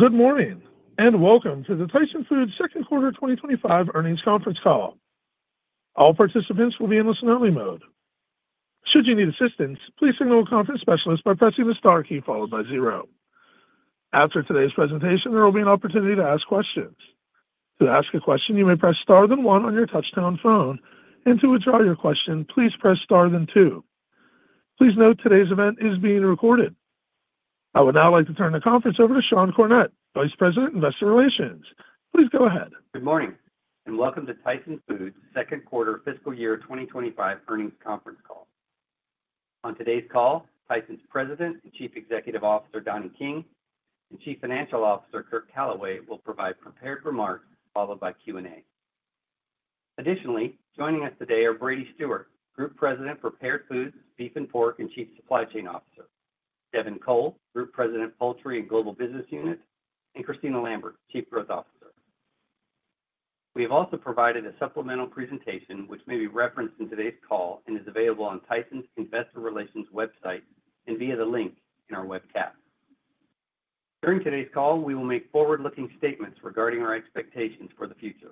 Good morning and welcome to the Tyson Foods Second Quarter 2025 Earnings Conference Call. All participants will be in listen-only mode. Should you need assistance, please signal a conference specialist by pressing the star key followed by zero. After today's presentation, there will be an opportunity to ask questions. To ask a question, you may press star then one on your touch-tone phone. To withdraw your question, please press star then two. Please note today's event is being recorded. I would now like to turn the conference over to Sean Cornett, Vice President, Investor Relations. Please go ahead. Good morning and welcome to Tyson Foods Second Quarter Fiscal Year 2025 Earnings Conference Call. On today's call, Tyson's President and Chief Executive Officer Donnie King and Chief Financial Officer Curt Calaway will provide prepared remarks followed by Q&A. Additionally, joining us today are Brady Stewart, Group President, Prepared Foods, Beef and Pork, and Chief Supply Chain Officer; Devin Cole, Group President, Poultry and Global Business Unit; and Kristina Lambert, Chief Growth Officer. We have also provided a supplemental presentation which may be referenced in today's call and is available on Tyson's Investor Relations website and via the link in our webcast. During today's call, we will make forward-looking statements regarding our expectations for the future.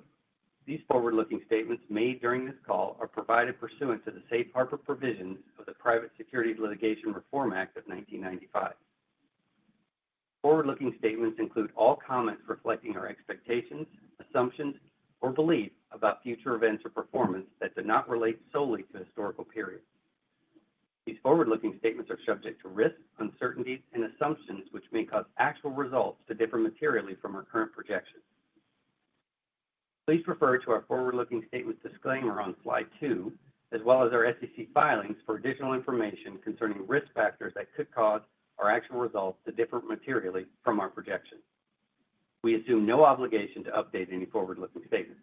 These forward-looking statements made during this call are provided pursuant to the safe harbor provisions of the Private Securities Litigation Reform Act of 1995. Forward-looking statements include all comments reflecting our expectations, assumptions, or beliefs about future events or performance that do not relate solely to historical periods. These forward-looking statements are subject to risks, uncertainties, and assumptions which may cause actual results to differ materially from our current projections. Please refer to our forward-looking statements disclaimer on slide two, as well as our SEC filings for additional information concerning risk factors that could cause our actual results to differ materially from our projections. We assume no obligation to update any forward-looking statements.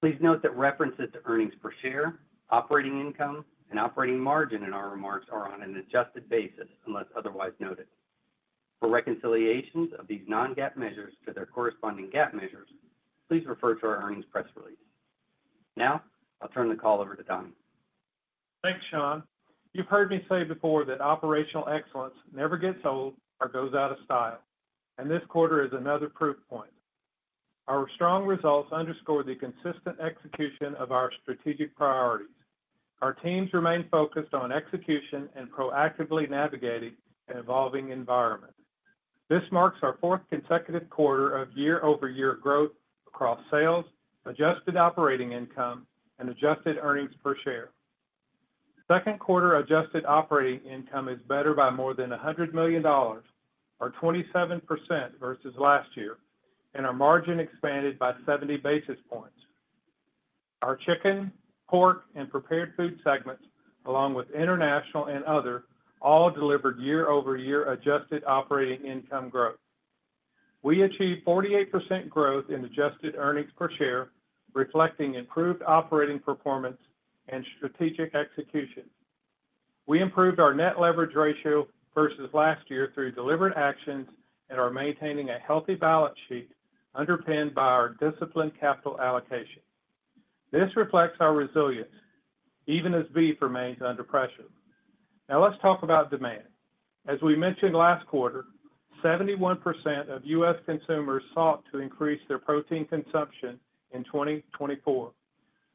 Please note that references to earnings per share, operating income, and operating margin in our remarks are on an adjusted basis unless otherwise noted. For reconciliations of these non-GAAP measures to their corresponding GAAP measures, please refer to our earnings press release. Now I'll turn the call over to Donnie. Thanks, Sean. You've heard me say before that operational excellence never gets old or goes out of style, and this quarter is another proof point. Our strong results underscore the consistent execution of our strategic priorities. Our teams remain focused on execution and proactively navigating an evolving environment. This marks our fourth consecutive quarter of year-over-year growth across sales, adjusted operating income, and adjusted earnings per share. Second quarter adjusted operating income is better by more than $100 million, or 27% versus last year, and our margin expanded by 70 basis points. Our chicken, pork, and prepared food segments, along with international and other, all delivered year-over-year adjusted operating income growth. We achieved 48% growth in adjusted earnings per share, reflecting improved operating performance and strategic execution. We improved our net leverage ratio versus last year through deliberate actions and are maintaining a healthy balance sheet underpinned by our disciplined capital allocation. This reflects our resilience, even as beef remains under pressure. Now let's talk about demand. As we mentioned last quarter, 71% of U.S. consumers sought to increase their protein consumption in 2024,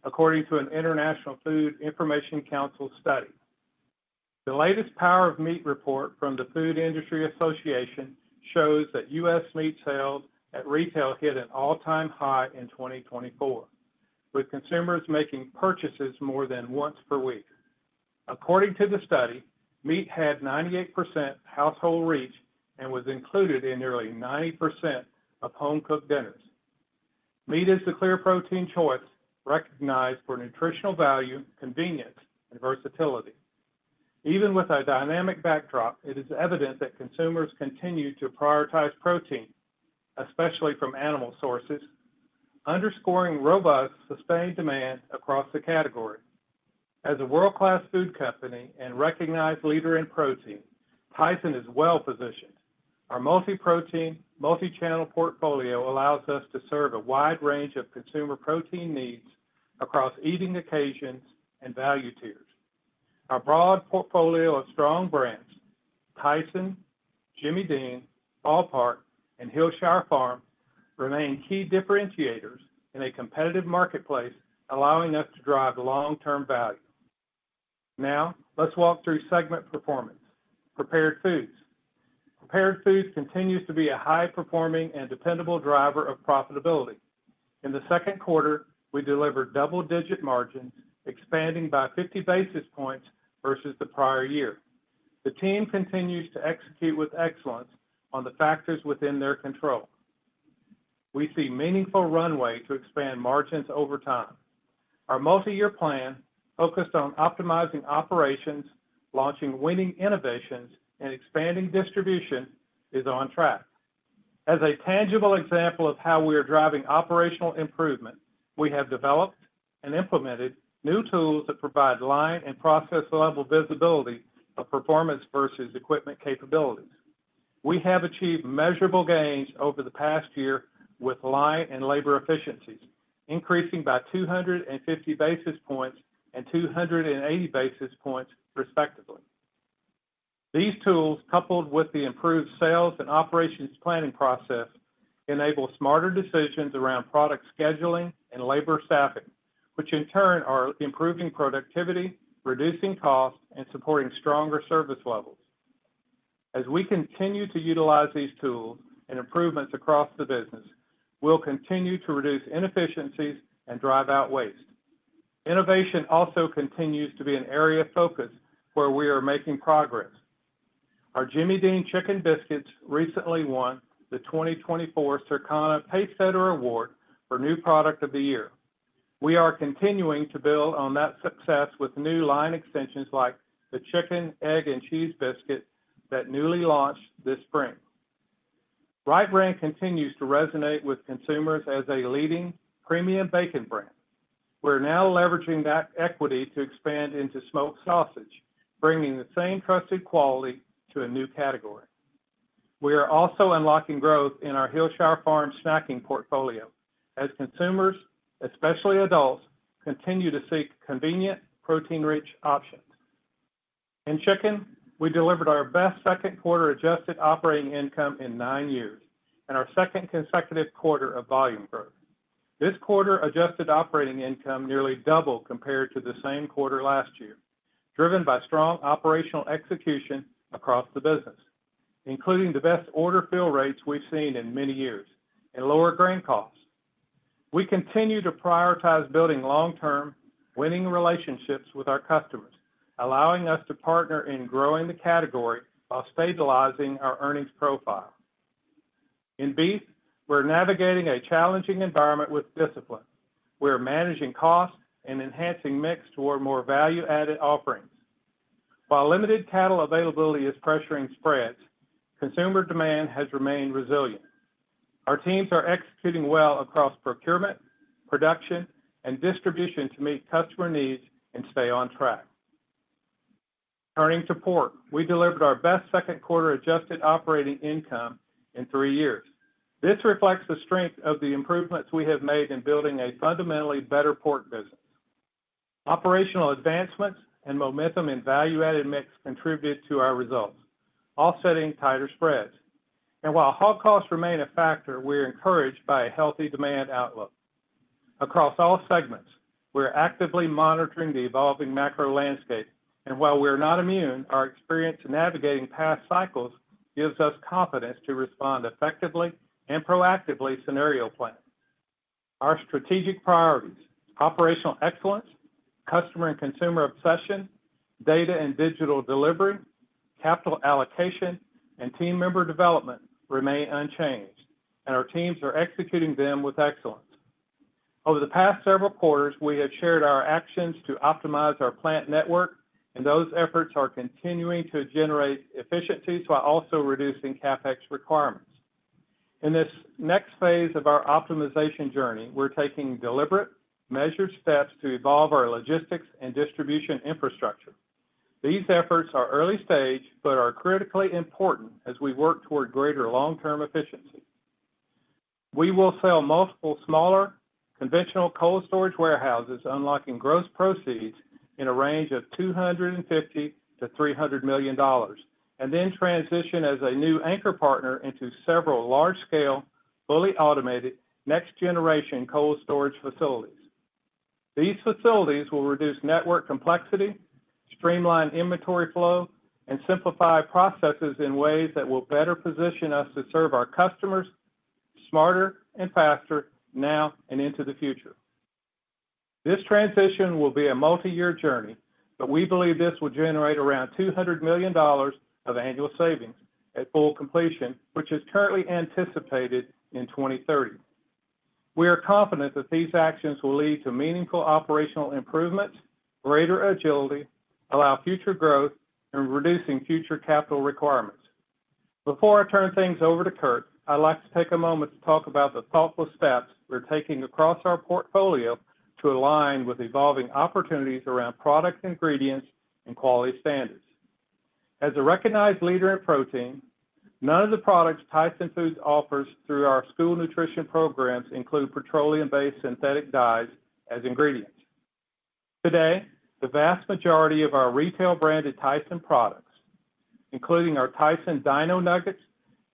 according to an International Food Information Council study. The latest Power of Meat report from the Food Industry Association shows that U.S. meat sales at retail hit an all-time high in 2024, with consumers making purchases more than once per week. According to the study, meat had 98% household reach and was included in nearly 90% of home-cooked dinners. Meat is the clear protein choice recognized for nutritional value, convenience, and versatility. Even with a dynamic backdrop, it is evident that consumers continue to prioritize protein, especially from animal sources, underscoring robust sustained demand across the category. As a world-class food company and recognized leader in protein, Tyson is well positioned. Our multi-protein, multi-channel portfolio allows us to serve a wide range of consumer protein needs across eating occasions and value tiers. Our broad portfolio of strong brands—Tyson, Jimmy Dean, Ballpark, and Hillshire Farm—remain key differentiators in a competitive marketplace, allowing us to drive long-term value. Now let's walk through segment performance: prepared foods. Prepared foods continues to be a high-performing and dependable driver of profitability. In the second quarter, we delivered double-digit margins, expanding by 50 basis points versus the prior year. The team continues to execute with excellence on the factors within their control. We see meaningful runway to expand margins over time. Our multi-year plan, focused on optimizing operations, launching winning innovations, and expanding distribution, is on track. As a tangible example of how we are driving operational improvement, we have developed and implemented new tools that provide line and process-level visibility of performance versus equipment capabilities. We have achieved measurable gains over the past year with line and labor efficiencies, increasing by 250 basis points and 280 basis points, respectively. These tools, coupled with the improved sales and operations planning process, enable smarter decisions around product scheduling and labor staffing, which in turn are improving productivity, reducing costs, and supporting stronger service levels. As we continue to utilize these tools and improvements across the business, we'll continue to reduce inefficiencies and drive out waste. Innovation also continues to be an area of focus where we are making progress. Our Jimmy Dean Chicken Biscuits recently won the 2024 Circana Taste Editor Award for New Product of the Year. We are continuing to build on that success with new line extensions like the Chicken, Egg, and Cheese Biscuit that newly launched this spring. Wright Brand continues to resonate with consumers as a leading premium bacon brand. We're now leveraging that equity to expand into smoked sausage, bringing the same trusted quality to a new category. We are also unlocking growth in our Hillshire Farm snacking portfolio as consumers, especially adults, continue to seek convenient, protein-rich options. In chicken, we delivered our best second quarter adjusted operating income in nine years and our second consecutive quarter of volume growth. This quarter adjusted operating income nearly doubled compared to the same quarter last year, driven by strong operational execution across the business, including the best order fill rates we've seen in many years and lower grain costs. We continue to prioritize building long-term winning relationships with our customers, allowing us to partner in growing the category while stabilizing our earnings profile. In beef, we're navigating a challenging environment with discipline. We're managing costs and enhancing mix toward more value-added offerings. While limited cattle availability is pressuring spreads, consumer demand has remained resilient. Our teams are executing well across procurement, production, and distribution to meet customer needs and stay on track. Turning to pork, we delivered our best second quarter adjusted operating income in three years. This reflects the strength of the improvements we have made in building a fundamentally better pork business. Operational advancements and momentum in value-added mix contributed to our results, offsetting tighter spreads. While haul costs remain a factor, we're encouraged by a healthy demand outlook. Across all segments, we're actively monitoring the evolving macro landscape, and while we're not immune, our experience in navigating past cycles gives us confidence to respond effectively and proactively to scenario plans. Our strategic priorities—operational excellence, customer and consumer obsession, data and digital delivery, capital allocation, and team member development—remain unchanged, and our teams are executing them with excellence. Over the past several quarters, we have shared our actions to optimize our plant network, and those efforts are continuing to generate efficiencies while also reducing CapEx requirements. In this next phase of our optimization journey, we're taking deliberate, measured steps to evolve our logistics and distribution infrastructure. These efforts are early stage but are critically important as we work toward greater long-term efficiency. We will sell multiple smaller conventional cold storage warehouses, unlocking gross proceeds in a range of $250 million-$300 million, and then transition as a new anchor partner into several large-scale, fully automated next-generation cold storage facilities. These facilities will reduce network complexity, streamline inventory flow, and simplify processes in ways that will better position us to serve our customers smarter and faster now and into the future. This transition will be a multi-year journey, but we believe this will generate around $200 million of annual savings at full completion, which is currently anticipated in 2030. We are confident that these actions will lead to meaningful operational improvements, greater agility, allow future growth, and reduce future capital requirements. Before I turn things over to Curt, I'd like to take a moment to talk about the thoughtful steps we're taking across our portfolio to align with evolving opportunities around product ingredients and quality standards. As a recognized leader in protein, none of the products Tyson Foods offers through our school nutrition programs include petroleum-based synthetic dyes as ingredients. Today, the vast majority of our retail-branded Tyson products, including our Tyson Dino Nuggets,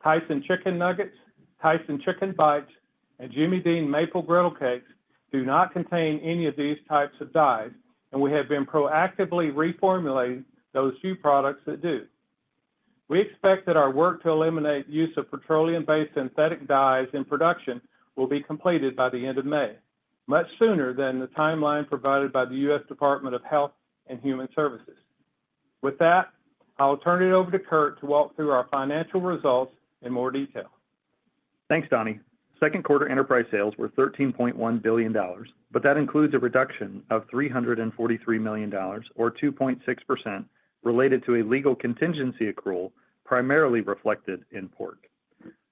Tyson Chicken Nuggets, Tyson Chicken Bites, and Jimmy Dean Maple Griddle Cakes, do not contain any of these types of dyes, and we have been proactively reformulating those few products that do. We expect that our work to eliminate the use of petroleum-based synthetic dyes in production will be completed by the end of May, much sooner than the timeline provided by the U.S. Department of Health and Human Services. With that, I'll turn it over to Curt to walk through our financial results in more detail. Thanks, Donnie. Second quarter enterprise sales were $13.1 billion, but that includes a reduction of $343 million, or 2.6%, related to a legal contingency accrual primarily reflected in pork.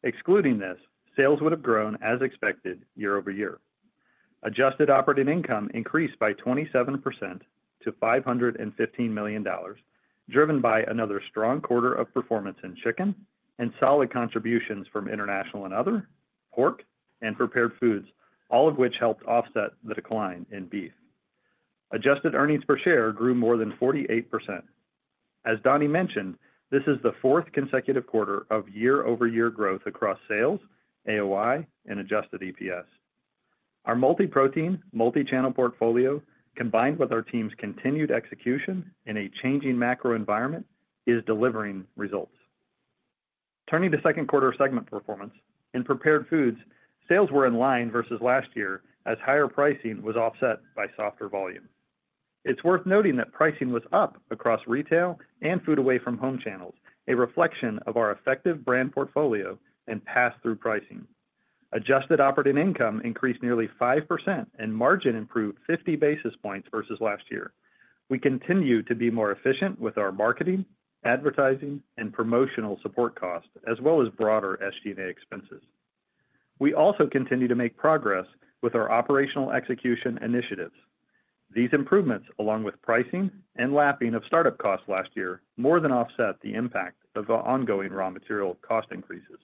Excluding this, sales would have grown as expected year over year. Adjusted operating income increased by 27% to $515 million, driven by another strong quarter of performance in chicken and solid contributions from international and other pork and prepared foods, all of which helped offset the decline in beef. Adjusted earnings per share grew more than 48%. As Donnie mentioned, this is the fourth consecutive quarter of year-over-year growth across sales, AOI, and adjusted EPS. Our multi-protein, multi-channel portfolio, combined with our team's continued execution in a changing macro environment, is delivering results. Turning to second quarter segment performance, in prepared foods, sales were in line versus last year as higher pricing was offset by softer volume. It's worth noting that pricing was up across retail and food away from home channels, a reflection of our effective brand portfolio and pass-through pricing. Adjusted operating income increased nearly 5%, and margin improved 50 basis points versus last year. We continue to be more efficient with our marketing, advertising, and promotional support costs, as well as broader SG&A expenses. We also continue to make progress with our operational execution initiatives. These improvements, along with pricing and lapping of startup costs last year, more than offset the impact of the ongoing raw material cost increases.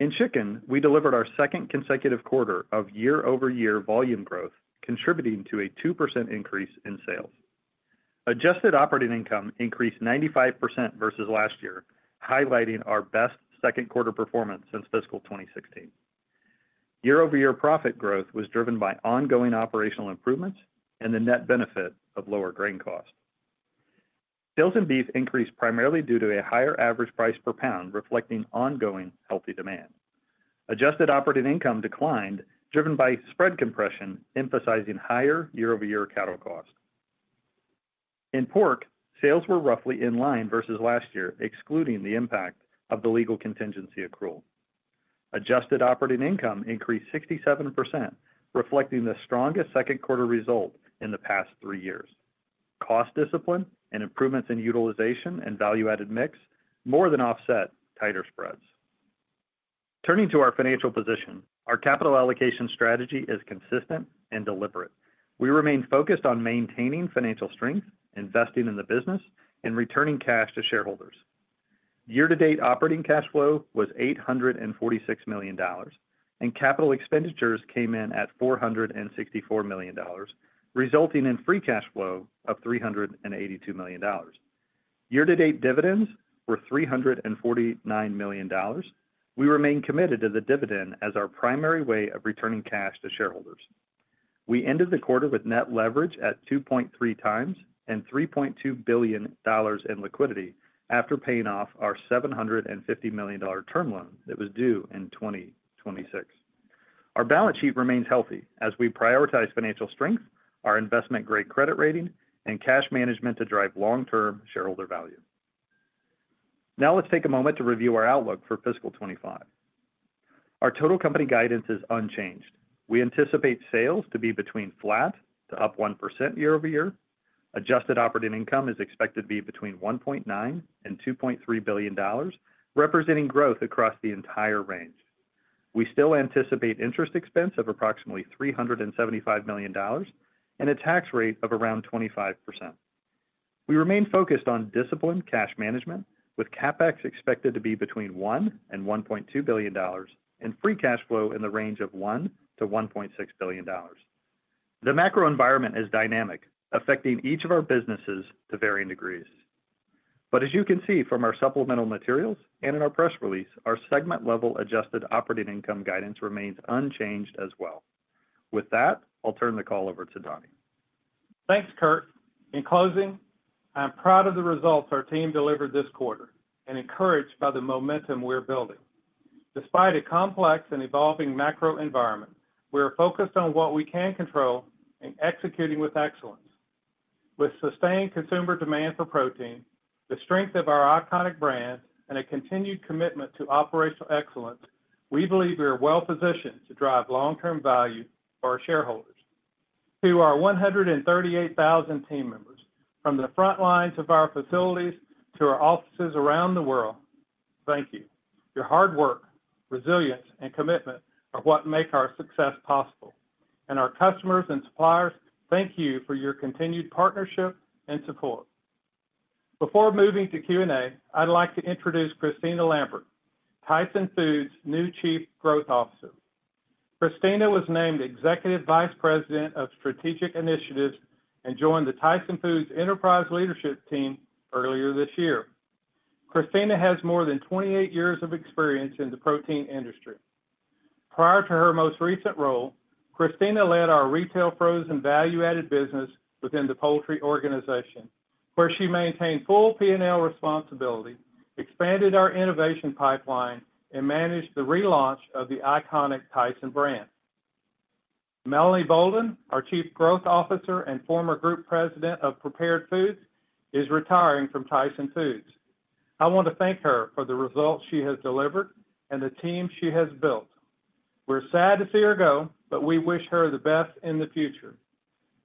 In chicken, we delivered our second consecutive quarter of year-over-year volume growth, contributing to a 2% increase in sales. Adjusted operating income increased 95% versus last year, highlighting our best second quarter performance since fiscal 2016. Year-over-year profit growth was driven by ongoing operational improvements and the net benefit of lower grain costs. Sales in beef increased primarily due to a higher average price per pound, reflecting ongoing healthy demand. Adjusted operating income declined, driven by spread compression, emphasizing higher year-over-year cattle costs. In pork, sales were roughly in line versus last year, excluding the impact of the legal contingency accrual. Adjusted operating income increased 67%, reflecting the strongest second quarter result in the past three years. Cost discipline and improvements in utilization and value-added mix more than offset tighter spreads. Turning to our financial position, our capital allocation strategy is consistent and deliberate. We remain focused on maintaining financial strength, investing in the business, and returning cash to shareholders. Year-to-date operating cash flow was $846 million, and capital expenditures came in at $464 million, resulting in free cash flow of $382 million. Year-to-date dividends were $349 million. We remain committed to the dividend as our primary way of returning cash to shareholders. We ended the quarter with net leverage at 2.3x and $3.2 billion in liquidity after paying off our $750 million term loan that was due in 2026. Our balance sheet remains healthy as we prioritize financial strength, our investment-grade credit rating, and cash management to drive long-term shareholder value. Now let's take a moment to review our outlook for fiscal 2025. Our total company guidance is unchanged. We anticipate sales to be between flat to up 1% year-over-year. Adjusted operating income is expected to be between $1.9 billion and $2.3 billion, representing growth across the entire range. We still anticipate interest expense of approximately $375 million and a tax rate of around 25%. We remain focused on disciplined cash management, with CapEx expected to be between $1 billion and $1.2 billion, and free cash flow in the range of $1 billion-$1.6 billion. The macro environment is dynamic, affecting each of our businesses to varying degrees. As you can see from our supplemental materials and in our press release, our segment-level adjusted operating income guidance remains unchanged as well. With that, I'll turn the call over to Donnie. Thanks, Curt. In closing, I'm proud of the results our team delivered this quarter and encouraged by the momentum we're building. Despite a complex and evolving macro environment, we're focused on what we can control and executing with excellence. With sustained consumer demand for protein, the strength of our iconic brand, and a continued commitment to operational excellence, we believe we are well-positioned to drive long-term value for our shareholders. To our 138,000 team members, from the front lines of our facilities to our offices around the world, thank you. Your hard work, resilience, and commitment are what make our success possible. To our customers and suppliers, thank you for your continued partnership and support. Before moving to Q&A, I'd like to introduce Kristina Lambert, Tyson Foods' new Chief Growth Officer. Kristina was named Executive Vice President of Strategic Initiatives and joined the Tyson Foods Enterprise Leadership Team earlier this year. Kristina has more than 28 years of experience in the protein industry. Prior to her most recent role, Kristina led our retail frozen value-added business within the poultry organization, where she maintained full P&L responsibility, expanded our innovation pipeline, and managed the relaunch of the iconic Tyson brand. Melanie Bolden, our Chief Growth Officer and former Group President of Prepared Foods, is retiring from Tyson Foods. I want to thank her for the results she has delivered and the team she has built. We're sad to see her go, but we wish her the best in the future.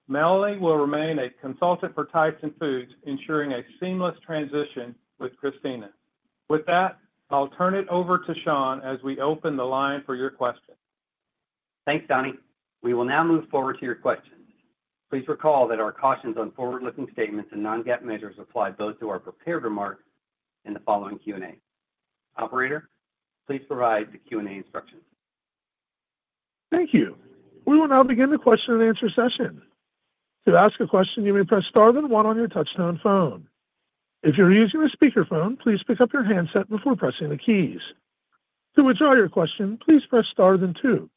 Melanie will remain a consultant for Tyson Foods, ensuring a seamless transition with Kristina. With that, I'll turn it over to Sean as we open the line for your questions. Thanks, Donnie. We will now move forward to your questions. Please recall that our cautions on forward-looking statements and non-GAAP measures apply both to our prepared remarks and the following Q&A. Operator, please provide the Q&A instructions. Thank you. We will now begin the question-and-answer session. To ask a question, you may press star then one on your touchstone phone. If you're using a speakerphone, please pick up your handset before pressing the keys. To withdraw your question, please press star then two.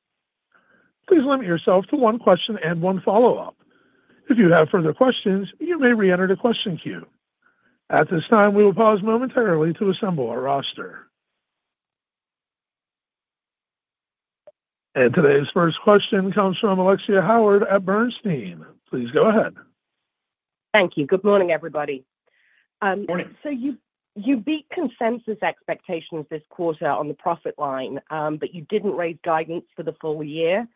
Please limit yourself to one question and one follow-up. If you have further questions, you may re-enter the question queue. At this time, we will pause momentarily to assemble our roster. Today's first question comes from Alexia Howard at Bernstein. Please go ahead. Thank you. Good morning, everybody. You beat consensus expectations this quarter on the profit line, but you did not raise guidance for the full year.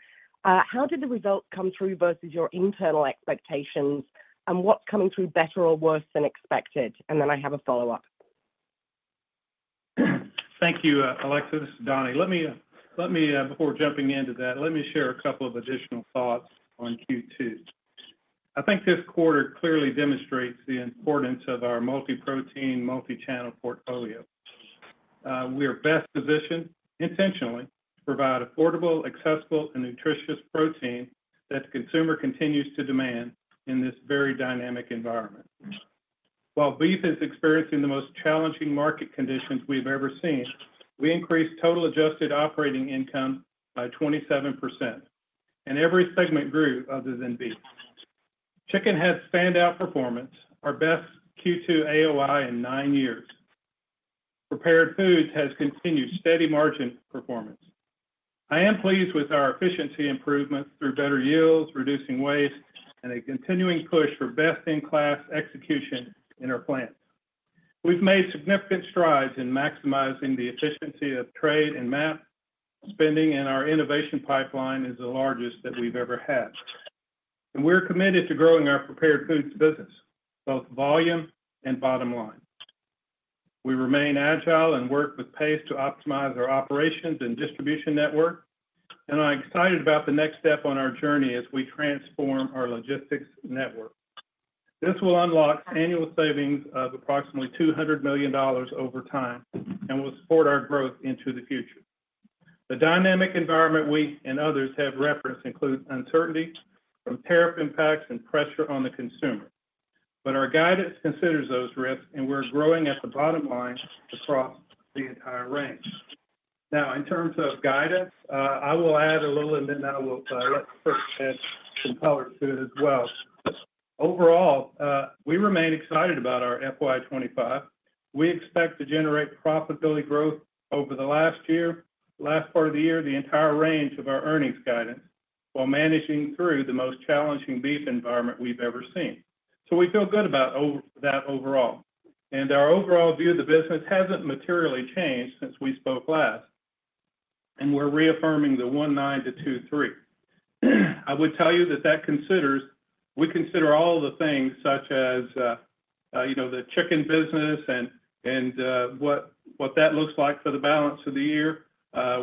How did the results come through versus your internal expectations, and what is coming through better or worse than expected? I have a follow-up. Thank you, Alexis. Donnie, before jumping into that, let me share a couple of additional thoughts on Q2. I think this quarter clearly demonstrates the importance of our multi-protein, multi-channel portfolio. We are best positioned intentionally to provide affordable, accessible, and nutritious protein that the consumer continues to demand in this very dynamic environment. While beef is experiencing the most challenging market conditions we've ever seen, we increased total adjusted operating income by 27%, and every segment grew other than beef. Chicken has standout performance, our best Q2 AOI in nine years. Prepared Foods has continued steady margin performance. I am pleased with our efficiency improvements through better yields, reducing waste, and a continuing push for best-in-class execution in our plants. We've made significant strides in maximizing the efficiency of trade and MAP spending, and our innovation pipeline is the largest that we've ever had. We are committed to growing our prepared foods business, both volume and bottom line. We remain agile and work with pace to optimize our operations and distribution network. I am excited about the next step on our journey as we transform our logistics network. This will unlock annual savings of approximately $200 million over time and will support our growth into the future. The dynamic environment we and others have referenced includes uncertainty from tariff impacts and pressure on the consumer. Our guidance considers those risks, and we are growing at the bottom line across the entire range. Now, in terms of guidance, I will add a little, and then I will let Curt add some colors to it as well. Overall, we remain excited about our FY 2025. We expect to generate profitability growth over the last year, last part of the year, the entire range of our earnings guidance while managing through the most challenging beef environment we have ever seen. We feel good about that overall. Our overall view of the business has not materially changed since we spoke last, and we are reaffirming the $1.9-$2.3. I would tell you that we consider all the things such as the chicken business and what that looks like for the balance of the year.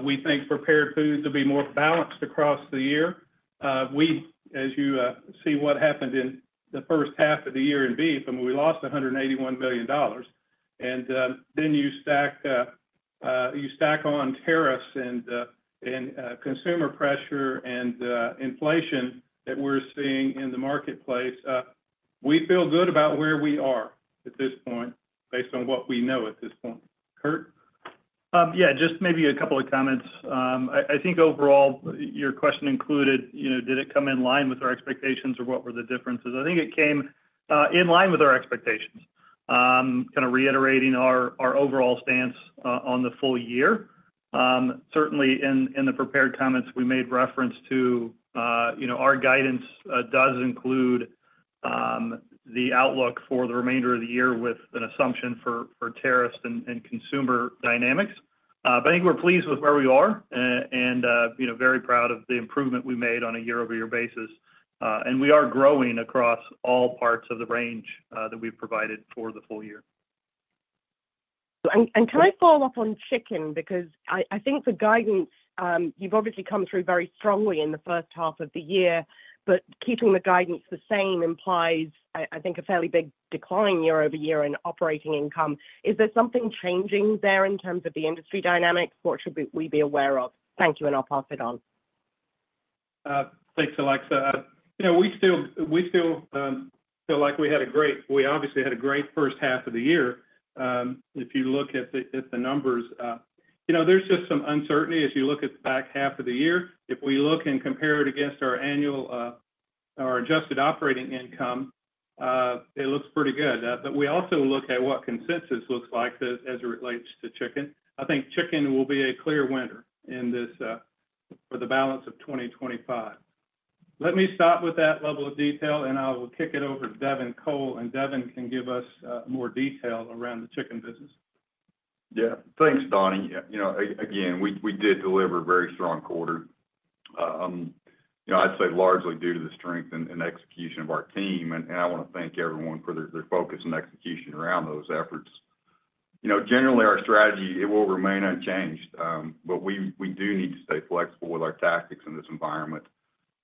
We think prepared foods will be more balanced across the year. As you see what happened in the first half of the year in beef, we lost $181 million. You stack on tariffs and consumer pressure and inflation that we are seeing in the marketplace. We feel good about where we are at this point based on what we know at this point. Curt. Yeah, just maybe a couple of comments. I think overall, your question included, did it come in line with our expectations or what were the differences? I think it came in line with our expectations, kind of reiterating our overall stance on the full year. Certainly, in the prepared comments, we made reference to our guidance does include the outlook for the remainder of the year with an assumption for tariffs and consumer dynamics. I think we're pleased with where we are and very proud of the improvement we made on a year-over-year basis. We are growing across all parts of the range that we've provided for the full year. Can I follow up on chicken? Because I think the guidance, you've obviously come through very strongly in the first half of the year, but keeping the guidance the same implies, I think, a fairly big decline year-over-year in operating income. Is there something changing there in terms of the industry dynamics? What should we be aware of? Thank you, and I'll pass it on. Thanks, Alexia. We still feel like we had a great—we obviously had a great first half of the year. If you look at the numbers, there's just some uncertainty as you look at the back half of the year. If we look and compare it against our adjusted operating income, it looks pretty good. We also look at what consensus looks like as it relates to chicken. I think chicken will be a clear winner for the balance of 2025. Let me stop with that level of detail, and I'll kick it over to Devin Cole, and Devin can give us more detail around the chicken business. Yeah. Thanks, Donnie. Again, we did deliver a very strong quarter, I'd say largely due to the strength and execution of our team. I want to thank everyone for their focus and execution around those efforts. Generally, our strategy, it will remain unchanged, but we do need to stay flexible with our tactics in this environment.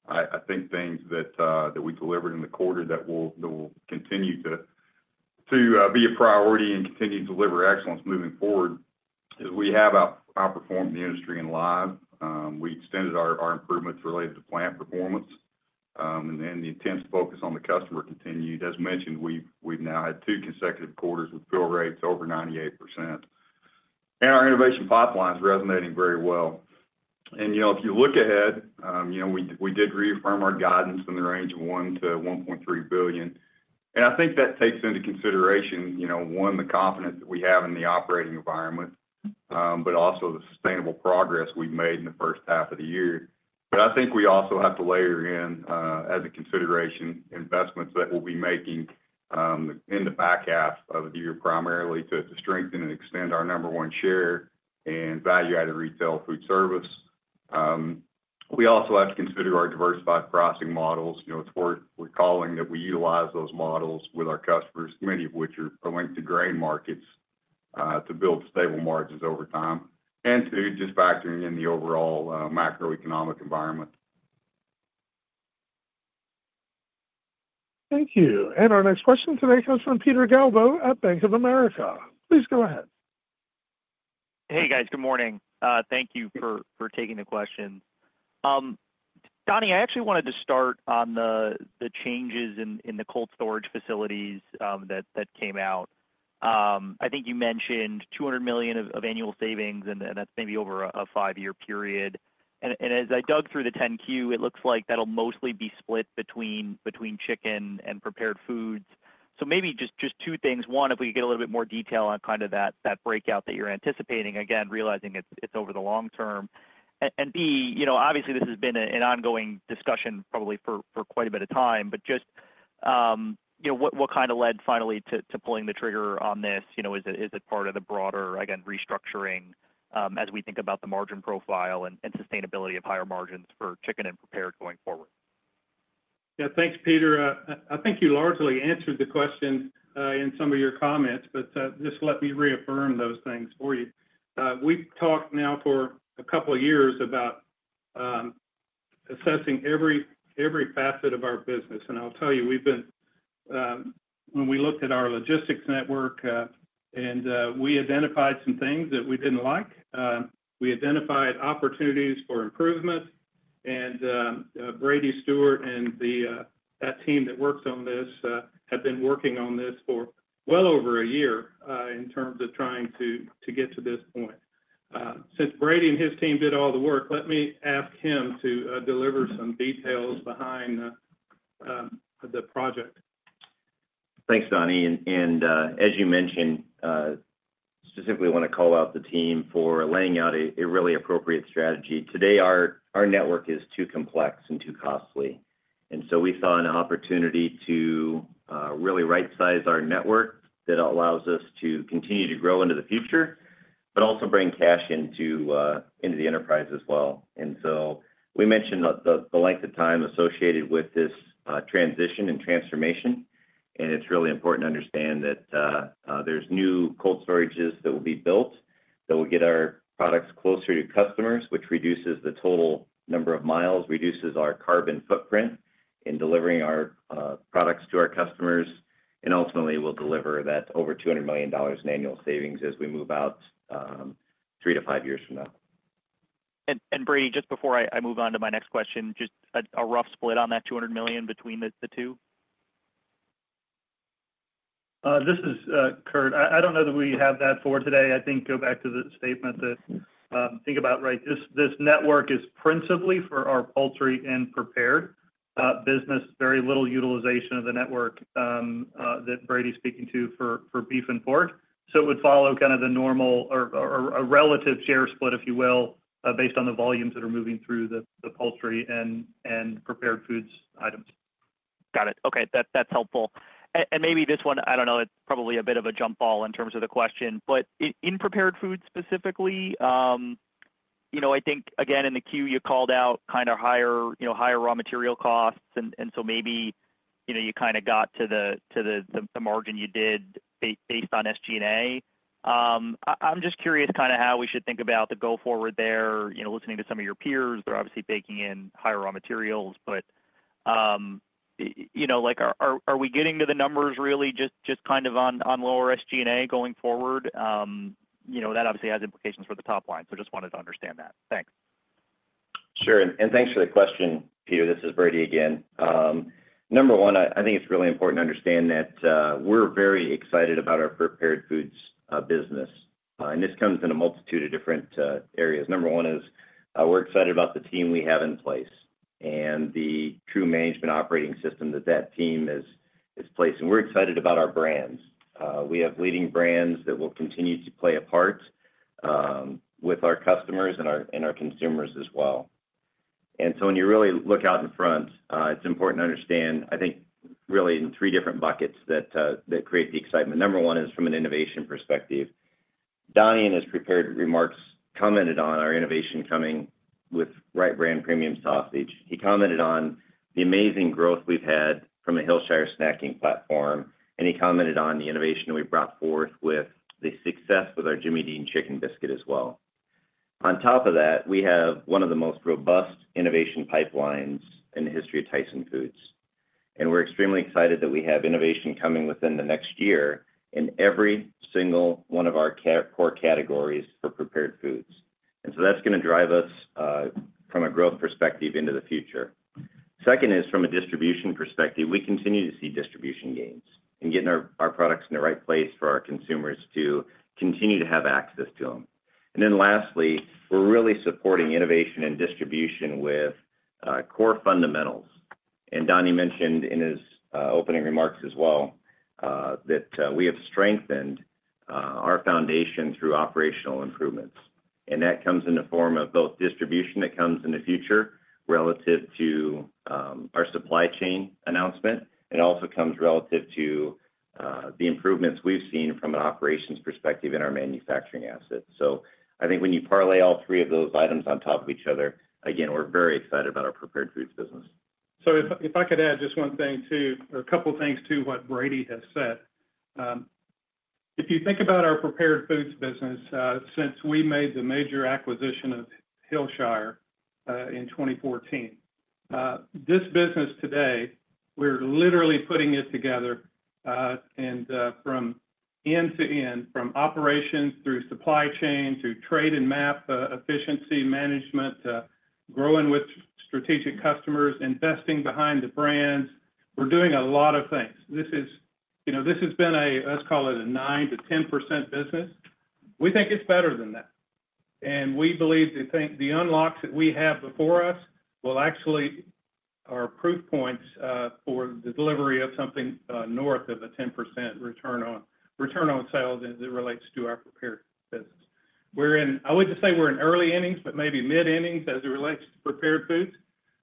I think things that we delivered in the quarter that will continue to be a priority and continue to deliver excellence moving forward is we have outperformed the industry in live. We extended our improvements related to plant performance, and the intense focus on the customer continued. As mentioned, we've now had two consecutive quarters with fill rates over 98% and our innovation pipelines resonating very well. If you look ahead, we did reaffirm our guidance in the range of $1 billion-$1.3 billion. I think that takes into consideration, one, the confidence that we have in the operating environment, but also the sustainable progress we've made in the first half of the year. I think we also have to layer in, as a consideration, investments that we'll be making in the back half of the year primarily to strengthen and extend our number one share in value-added retail food service. We also have to consider our diversified pricing models. It's worth recalling that we utilize those models with our customers, many of which are linked to grain markets to build stable margins over time, and two, just factoring in the overall macroeconomic environment. Thank you. Our next question today comes from Peter Galbo at Bank of America. Please go ahead. Hey, guys. Good morning. Thank you for taking the question. Donnie, I actually wanted to start on the changes in the cold storage facilities that came out. I think you mentioned $200 million of annual savings, and that's maybe over a five-year period. As I dug through the 10-Q, it looks like that'll mostly be split between chicken and prepared foods. Maybe just two things. One, if we could get a little bit more detail on kind of that breakout that you're anticipating, again, realizing it's over the long term. B, obviously, this has been an ongoing discussion probably for quite a bit of time, but just what kind of led finally to pulling the trigger on this? Is it part of the broader, again, restructuring as we think about the margin profile and sustainability of higher margins for chicken and prepared going forward? Yeah. Thanks, Peter. I think you largely answered the question in some of your comments, but just let me reaffirm those things for you. We've talked now for a couple of years about assessing every facet of our business. I'll tell you, when we looked at our logistics network, we identified some things that we didn't like. We identified opportunities for improvement. Brady Stewart and that team that works on this have been working on this for well over a year in terms of trying to get to this point. Since Brady and his team did all the work, let me ask him to deliver some details behind the project. Thanks, Donnie. As you mentioned, specifically, I want to call out the team for laying out a really appropriate strategy. Today, our network is too complex and too costly. We saw an opportunity to really right-size our network that allows us to continue to grow into the future, but also bring cash into the enterprise as well. We mentioned the length of time associated with this transition and transformation. It is really important to understand that there are new cold storages that will be built that will get our products closer to customers, which reduces the total number of miles, reduces our carbon footprint in delivering our products to our customers, and ultimately, will deliver that over $200 million in annual savings as we move out three to five years from now. Brady, just before I move on to my next question, just a rough split on that $200 million between the two? This is Curt. I don't know that we have that for today. I think go back to the statement that think about, right, this network is principally for our poultry and prepared business, very little utilization of the network that Brady's speaking to for beef and pork. It would follow kind of the normal or a relative share split, if you will, based on the volumes that are moving through the poultry and prepared foods items. Got it. Okay. That's helpful. Maybe this one, I don't know, it's probably a bit of a jump ball in terms of the question. In prepared foods specifically, I think, again, in the Q, you called out kind of higher raw material costs. Maybe you kind of got to the margin you did based on SG&A. I'm just curious kind of how we should think about the go forward there, listening to some of your peers. They're obviously baking in higher raw materials. Are we getting to the numbers really just kind of on lower SG&A going forward? That obviously has implications for the top line, so just wanted to understand that. Thanks. Sure. Thanks for the question, Peter. This is Brady again. Number one, I think it's really important to understand that we're very excited about our prepared foods business. This comes in a multitude of different areas. Number one is we're excited about the team we have in place and the true management operating system that that team is placing. We're excited about our brands. We have leading brands that will continue to play a part with our customers and our consumers as well. When you really look out in front, it's important to understand, I think, really in three different buckets that create the excitement. Number one is from an innovation perspective. Donnie in his prepared remarks commented on our innovation coming with Wright Brand premium sausage. He commented on the amazing growth we've had from the Hillshire Farms snacking platform, and he commented on the innovation we brought forth with the success with our Jimmy Dean chicken biscuit as well. On top of that, we have one of the most robust innovation pipelines in the history of Tyson Foods. We're extremely excited that we have innovation coming within the next year in every single one of our core categories for prepared foods. That is going to drive us from a growth perspective into the future. Second is from a distribution perspective, we continue to see distribution gains and getting our products in the right place for our consumers to continue to have access to them. Lastly, we're really supporting innovation and distribution with core fundamentals. Donnie mentioned in his opening remarks as well that we have strengthened our foundation through operational improvements. That comes in the form of both distribution that comes in the future relative to our supply chain announcement. It also comes relative to the improvements we've seen from an operations perspective in our manufacturing assets. I think when you parlay all three of those items on top of each other, again, we're very excited about our prepared foods business. If I could add just one thing too, or a couple of things to what Brady has said. If you think about our prepared foods business since we made the major acquisition of Hillshire in 2014, this business today, we're literally putting it together from end-to-end, from operations through supply chain to trade and map efficiency management, growing with strategic customers, investing behind the brands. We're doing a lot of things. This has been a, let's call it a 9-10% business. We think it's better than that. We believe the unlocks that we have before us will actually be our proof points for the delivery of something north of a 10% return on sales as it relates to our prepared business. I wouldn't say we're in early innings, but maybe mid innings as it relates to prepared foods.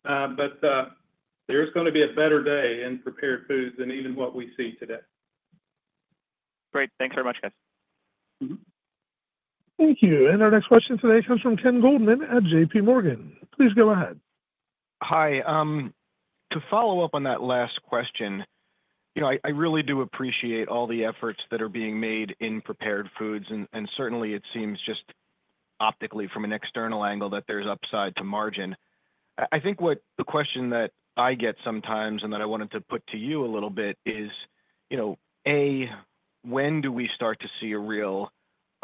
There is going to be a better day in prepared foods than even what we see today. Great. Thanks very much, guys. Thank you. Our next question today comes from Ken Goldman at JPMorgan. Please go ahead. Hi. To follow up on that last question, I really do appreciate all the efforts that are being made in prepared foods. Certainly, it seems just optically from an external angle that there's upside to margin. I think what the question that I get sometimes and that I wanted to put to you a little bit is, A, when do we start to see a real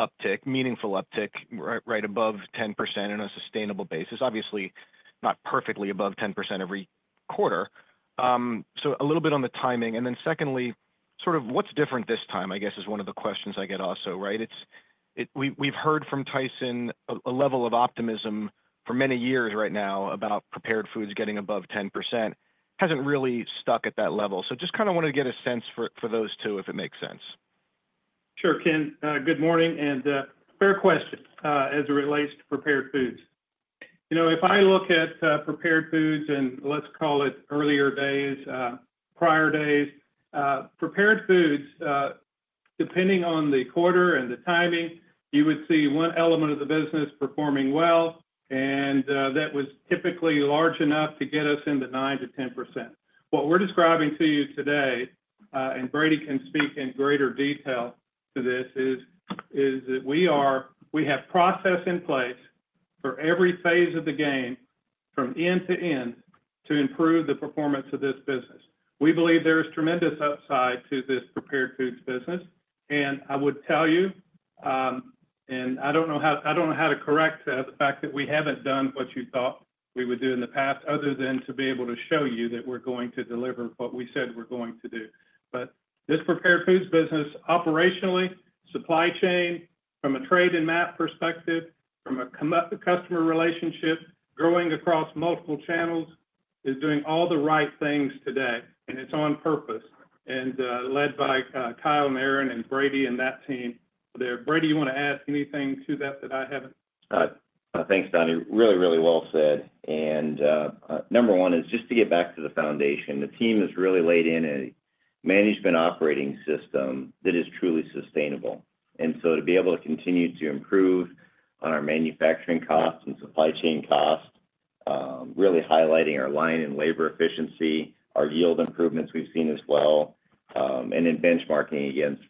uptick, meaningful uptick right above 10% on a sustainable basis? Obviously, not perfectly above 10% every quarter. A little bit on the timing. Secondly, sort of what's different this time, I guess, is one of the questions I get also, right? We've heard from Tyson a level of optimism for many years right now about prepared foods getting above 10%. Hasn't really stuck at that level. I just kind of wanted to get a sense for those two, if it makes sense. Sure, Ken. Good morning. Fair question as it relates to prepared foods. If I look at prepared foods and let's call it earlier days, prior days, prepared foods, depending on the quarter and the timing, you would see one element of the business performing well, and that was typically large enough to get us into 9% to 10%. What we're describing to you today, and Brady can speak in greater detail to this, is that we have process in place for every phase of the game from end to end to improve the performance of this business. We believe there is tremendous upside to this prepared foods business. I would tell you, I do not know how to correct the fact that we have not done what you thought we would do in the past other than to be able to show you that we are going to deliver what we said we are going to do. This prepared foods business operationally, supply chain, from a trade and map perspective, from a customer relationship, growing across multiple channels, is doing all the right things today. It is on purpose and led by Kyle, Marc, and Brady and that team. Brady, you want to add anything to that that I have not? Thanks, Donnie. Really, really well said. Number one is just to get back to the foundation. The team has really laid in a management operating system that is truly sustainable. To be able to continue to improve on our manufacturing costs and supply chain costs, really highlighting our line and labor efficiency, our yield improvements we have seen as well, and then benchmarking against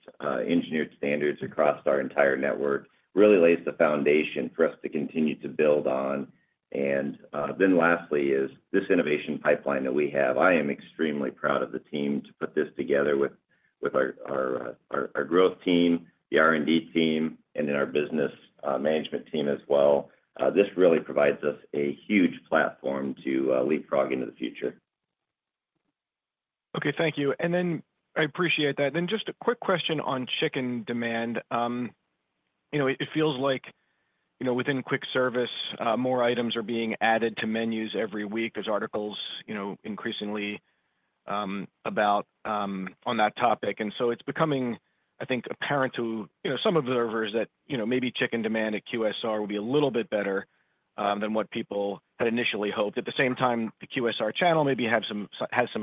engineered standards across our entire network really lays the foundation for us to continue to build on. Lastly is this innovation pipeline that we have. I am extremely proud of the team to put this together with our growth team, the R&D team, and our business management team as well. This really provides us a huge platform to leapfrog into the future. Okay. Thank you. I appreciate that. Just a quick question on chicken demand. It feels like within quick service, more items are being added to menus every week. There are articles increasingly about that topic. It is becoming, I think, apparent to some observers that maybe chicken demand at QSR will be a little bit better than what people had initially hoped. At the same time, the QSR channel maybe has some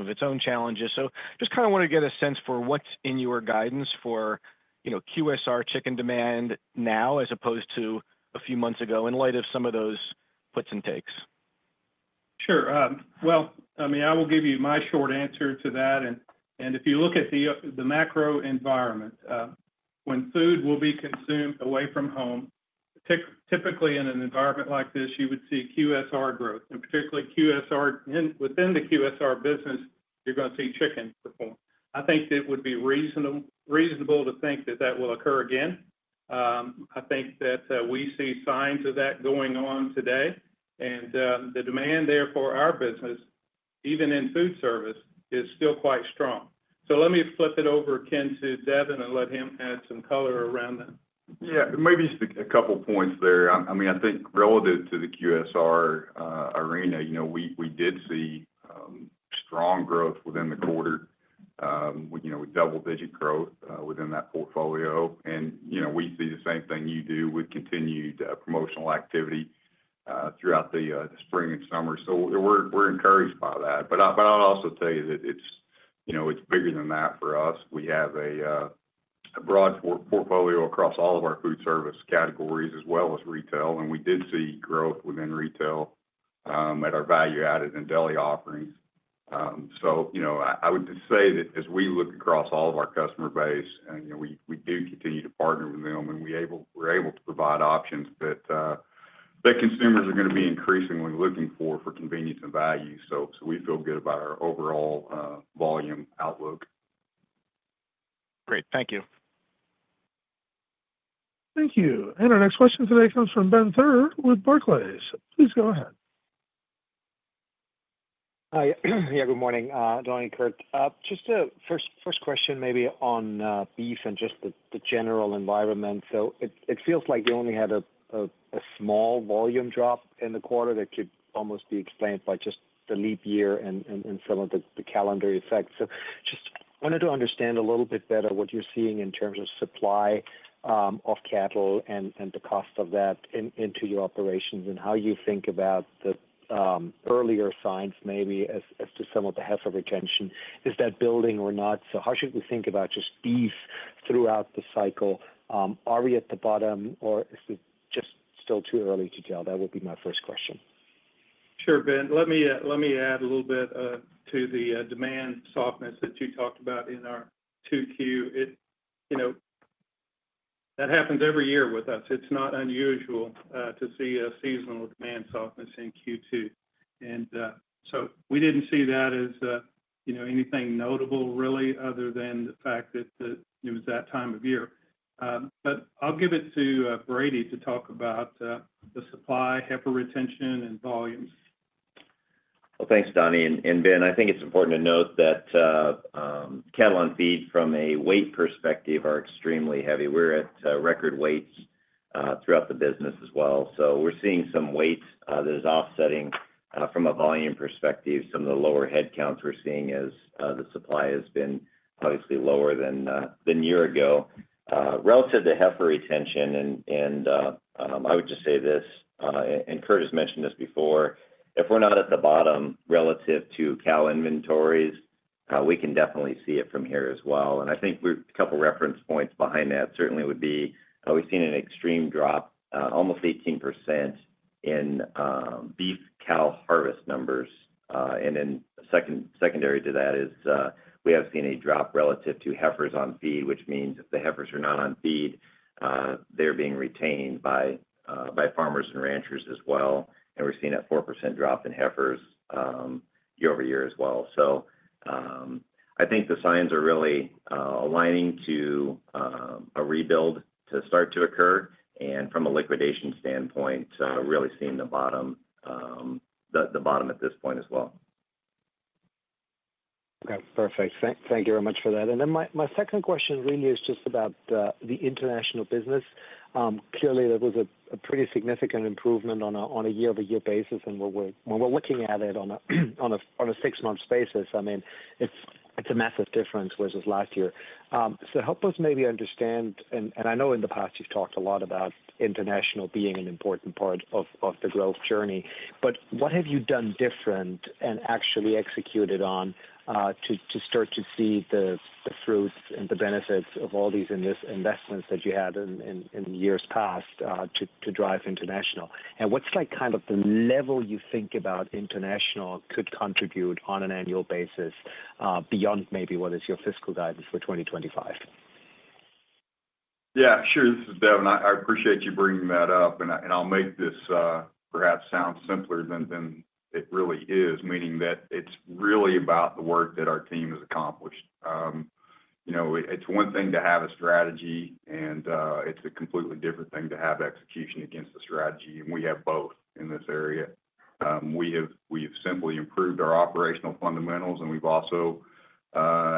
of its own challenges. I just want to get a sense for what is in your guidance for QSR chicken demand now as opposed to a few months ago in light of some of those puts and takes. Sure. I mean, I will give you my short answer to that. If you look at the macro environment, when food will be consumed away from home, typically in an environment like this, you would see QSR growth. Particularly within the QSR business, you are going to see chicken perform. I think that it would be reasonable to think that that will occur again. I think that we see signs of that going on today. The demand there for our business, even in food service, is still quite strong. Let me flip it over, Ken, to Devin and let him add some color around that. Yeah. Maybe just a couple of points there. I mean, I think relative to the QSR arena, we did see strong growth within the quarter. We had double-digit growth within that portfolio. I mean, we see the same thing you do with continued promotional activity throughout the spring and summer. We are encouraged by that. I'll also tell you that it's bigger than that for us. We have a broad portfolio across all of our food service categories as well as retail. We did see growth within retail at our value-added and deli offerings. I would just say that as we look across all of our customer base, we do continue to partner with them. We are able to provide options that consumers are going to be increasingly looking for convenience and value. We feel good about our overall volume outlook. Great. Thank you. Thank you. Our next question today comes from Benjamin Theurer with Barclays. Please go ahead. Hi. Yeah, good morning, Donnie and Curt. Just a first question maybe on beef and just the general environment. It feels like you only had a small volume drop in the quarter that could almost be explained by just the leap year and some of the calendar effects. I just wanted to understand a little bit better what you're seeing in terms of supply of cattle and the cost of that into your operations and how you think about the earlier signs maybe as to some of the heft of retention. Is that building or not? How should we think about just beef throughout the cycle? Are we at the bottom, or is it just still too early to tell? That would be my first question. Sure, Ben. Let me add a little bit to the demand softness that you talked about in our Q2. That happens every year with us. It is not unusual to see a seasonal demand softness in Q2. We did not see that as anything notable really other than the fact that it was that time of year. I will give it to Brady to talk about the supply, heft of retention, and volumes. Thanks, Donnie. Ben, I think it's important to note that cattle on feed from a weight perspective are extremely heavy. We're at record weights throughout the business as well. We're seeing some weight that is offsetting from a volume perspective. Some of the lower head counts we're seeing as the supply has been obviously lower than a year ago. Relative to heft of retention, and I would just say this, and Curt has mentioned this before, if we're not at the bottom relative to cow inventories, we can definitely see it from here as well. I think a couple of reference points behind that certainly would be we've seen an extreme drop, almost 18% in beef cow harvest numbers. Secondary to that is we have seen a drop relative to heifers on feed, which means if the heifers are not on feed, they're being retained by farmers and ranchers as well. We're seeing a 4% drop in heifers year over year as well. I think the signs are really aligning to a rebuild to start to occur. From a liquidation standpoint, really seeing the bottom at this point as well. Okay. Perfect. Thank you very much for that. My second question really is just about the international business. Clearly, there was a pretty significant improvement on a year-over-year basis. When we're looking at it on a six-month basis, I mean, it's a massive difference versus last year. Help us maybe understand, and I know in the past you've talked a lot about international being an important part of the growth journey. What have you done different and actually executed on to start to see the fruits and the benefits of all these investments that you had in years past to drive international? What's kind of the level you think about international could contribute on an annual basis beyond maybe what is your fiscal guidance for 2025? Yeah. Sure. This is Devin. I appreciate you bringing that up. I'll make this perhaps sound simpler than it really is, meaning that it's really about the work that our team has accomplished. It's one thing to have a strategy, and it's a completely different thing to have execution against the strategy. We have both in this area. We have simply improved our operational fundamentals, and we've also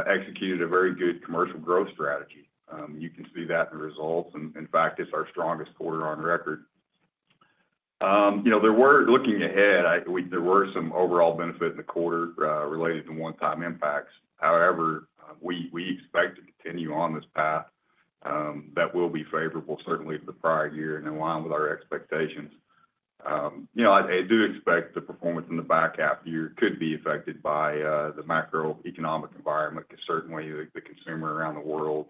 executed a very good commercial growth strategy. You can see that in the results. In fact, it's our strongest quarter on record. Looking ahead, there were some overall benefits in the quarter related to one-time impacts. However, we expect to continue on this path that will be favorable certainly to the prior year and in line with our expectations. I do expect the performance in the back half year could be affected by the macroeconomic environment because certainly the consumer around the world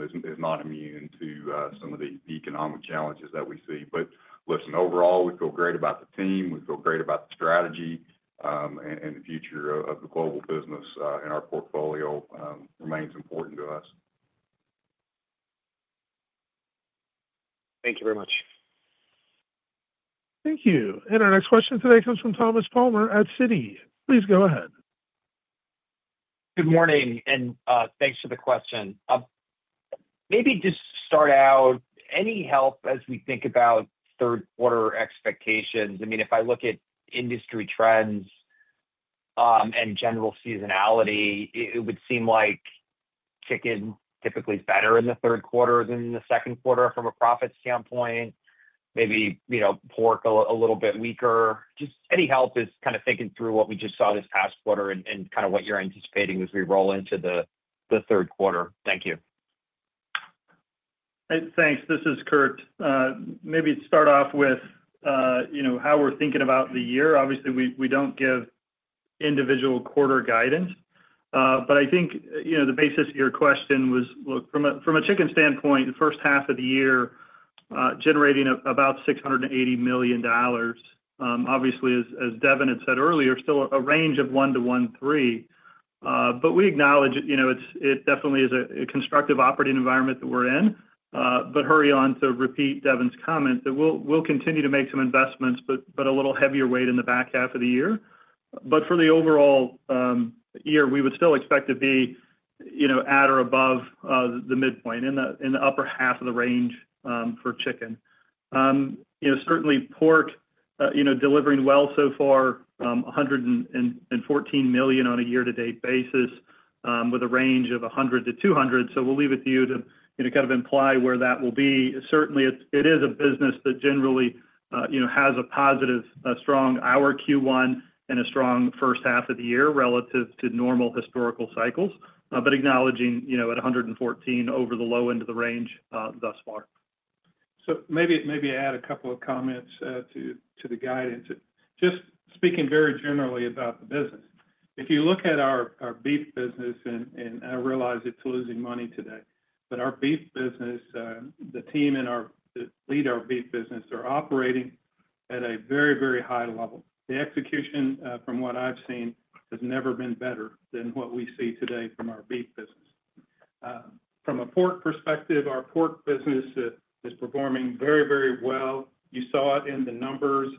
is not immune to some of the economic challenges that we see. Listen, overall, we feel great about the team. We feel great about the strategy. The future of the global business and our portfolio remains important to us. Thank you very much. Thank you. Our next question today comes from Thomas Palmer at Citi. Please go ahead. Good morning. Thanks for the question. Maybe just to start out, any help as we think about third-quarter expectations? I mean, if I look at industry trends and general seasonality, it would seem like chicken typically is better in the third quarter than the second quarter from a profit standpoint. Maybe pork a little bit weaker. Just any help is kind of thinking through what we just saw this past quarter and kind of what you're anticipating as we roll into the third quarter. Thank you. Thanks. This is Curt. Maybe to start off with how we're thinking about the year. Obviously, we don't give individual quarter guidance. I think the basis of your question was, look, from a chicken standpoint, the first half of the year generating about $680 million. Obviously, as Devin had said earlier, still a range of $1 billion-$1.3 billion. We acknowledge it definitely is a constructive operating environment that we're in. I want to repeat Devin's comment that we'll continue to make some investments, but a little heavier weight in the back half of the year. For the overall year, we would still expect to be at or above the midpoint in the upper half of the range for chicken. Certainly, pork delivering well so far, $114 million on a year-to-date basis with a range of $100 million-$200 million. We'll leave it to you to kind of imply where that will be. Certainly, it is a business that generally has a positive, strong Q1 and a strong first half of the year relative to normal historical cycles. Acknowledging at 114 over the low end of the range thus far. Maybe I add a couple of comments to the guidance. Just speaking very generally about the business, if you look at our beef business, and I realize it's losing money today, but our beef business, the team that lead our beef business, are operating at a very, very high level. The execution from what I've seen has never been better than what we see today from our beef business. From a pork perspective, our pork business is performing very, very well. You saw it in the numbers.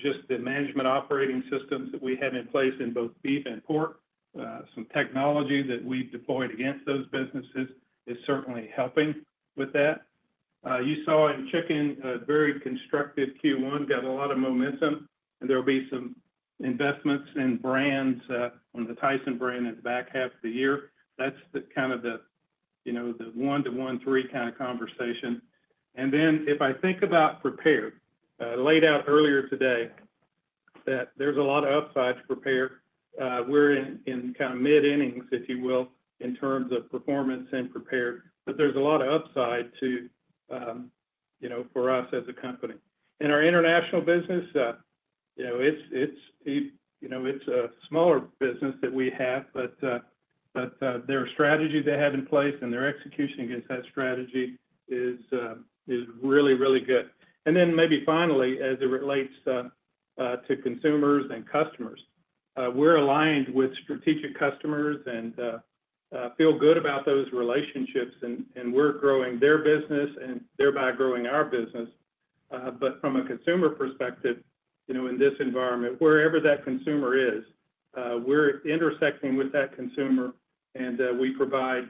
Just the management operating systems that we have in place in both beef and pork, some technology that we've deployed against those businesses is certainly helping with that. You saw in chicken a very constructive Q1, got a lot of momentum, and there will be some investments in brands on the Tyson brand in the back half of the year. That is kind of the 1-1.3 kind of conversation. If I think about prepared, laid out earlier today that there is a lot of upside to prepared. We are in kind of mid-innings, if you will, in terms of performance in prepared. There is a lot of upside for us as a company. Our international business, it is a smaller business that we have, but their strategy they have in place and their execution against that strategy is really, really good. Maybe finally, as it relates to consumers and customers, we're aligned with strategic customers and feel good about those relationships. We're growing their business and thereby growing our business. From a consumer perspective, in this environment, wherever that consumer is, we're intersecting with that consumer. We provide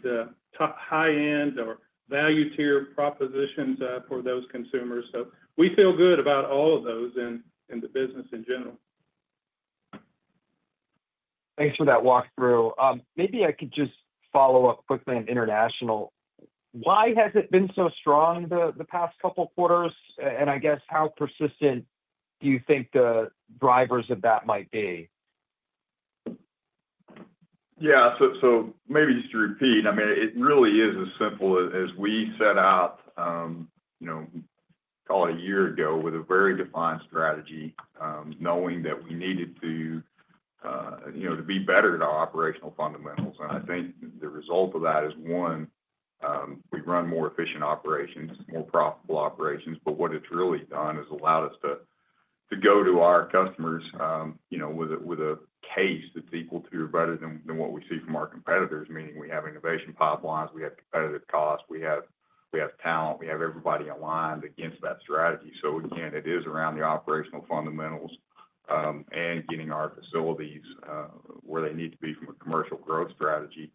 high-end or value-tier propositions for those consumers. We feel good about all of those and the business in general. Thanks for that walkthrough. Maybe I could just follow up quickly on international. Why has it been so strong the past couple of quarters? I guess how persistent do you think the drivers of that might be? Yeah. Maybe just to repeat, I mean, it really is as simple as we set out, call it a year ago, with a very defined strategy, knowing that we needed to be better at our operational fundamentals. I think the result of that is, one, we run more efficient operations, more profitable operations. What it's really done is allowed us to go to our customers with a case that's equal to or better than what we see from our competitors, meaning we have innovation pipelines, we have competitive costs, we have talent, we have everybody aligned against that strategy. Again, it is around the operational fundamentals and getting our facilities where they need to be from a commercial growth strategy.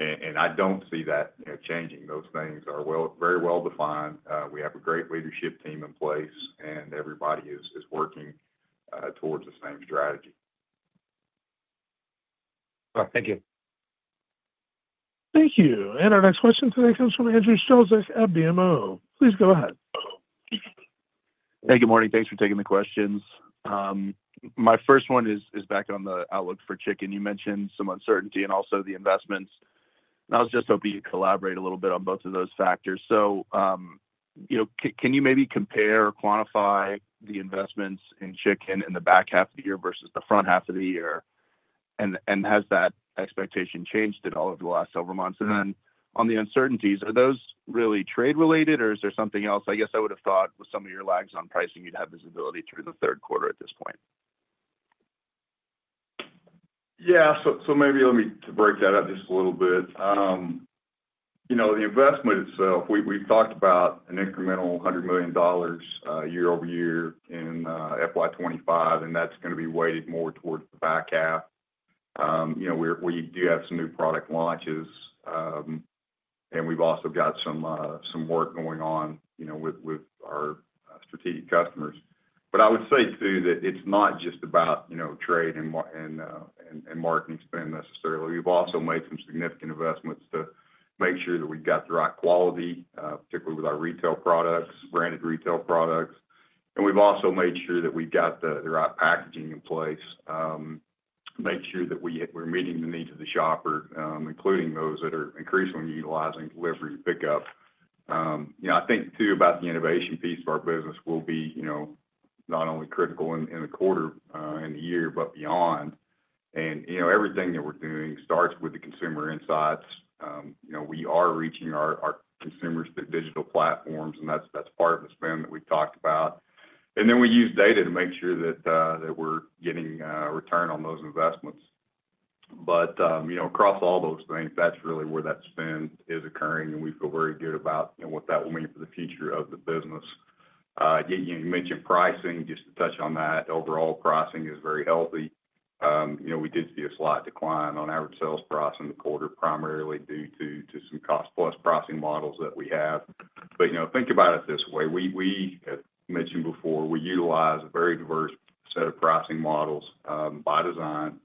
I do not see that changing. Those things are very well-defined. We have a great leadership team in place, and everybody is working towards the same strategy. Thank you. Thank you. Our next question today comes from Andrew Strelzik at BMO. Please go ahead. Hey, good morning. Thanks for taking the questions. My first one is back on the outlook for chicken. You mentioned some uncertainty and also the investments. I was just hoping you'd collaborate a little bit on both of those factors. Can you maybe compare or quantify the investments in chicken in the back half of the year versus the front half of the year? Has that expectation changed at all over the last several months? On the uncertainties, are those really trade-related, or is there something else? I guess I would have thought with some of your lags on pricing, you'd have visibility through the third quarter at this point. Yeah. Maybe let me break that up just a little bit. The investment itself, we've talked about an incremental $100 million year over year in FY25, and that's going to be weighted more towards the back half. We do have some new product launches, and we've also got some work going on with our strategic customers. I would say too that it's not just about trade and marketing spend necessarily. We've also made some significant investments to make sure that we've got the right quality, particularly with our retail products, branded retail products. We've also made sure that we've got the right packaging in place, made sure that we're meeting the needs of the shopper, including those that are increasingly utilizing delivery and pickup. I think too about the innovation piece of our business will be not only critical in the quarter, in the year, but beyond. Everything that we're doing starts with the consumer insights. We are reaching our consumers through digital platforms, and that's part of the spend that we've talked about. We use data to make sure that we're getting a return on those investments. Across all those things, that's really where that spend is occurring. We feel very good about what that will mean for the future of the business. You mentioned pricing, just to touch on that. Overall, pricing is very healthy. We did see a slight decline on average sales price in the quarter primarily due to some cost-plus pricing models that we have. Think about it this way. As mentioned before, we utilize a very diverse set of pricing models by design.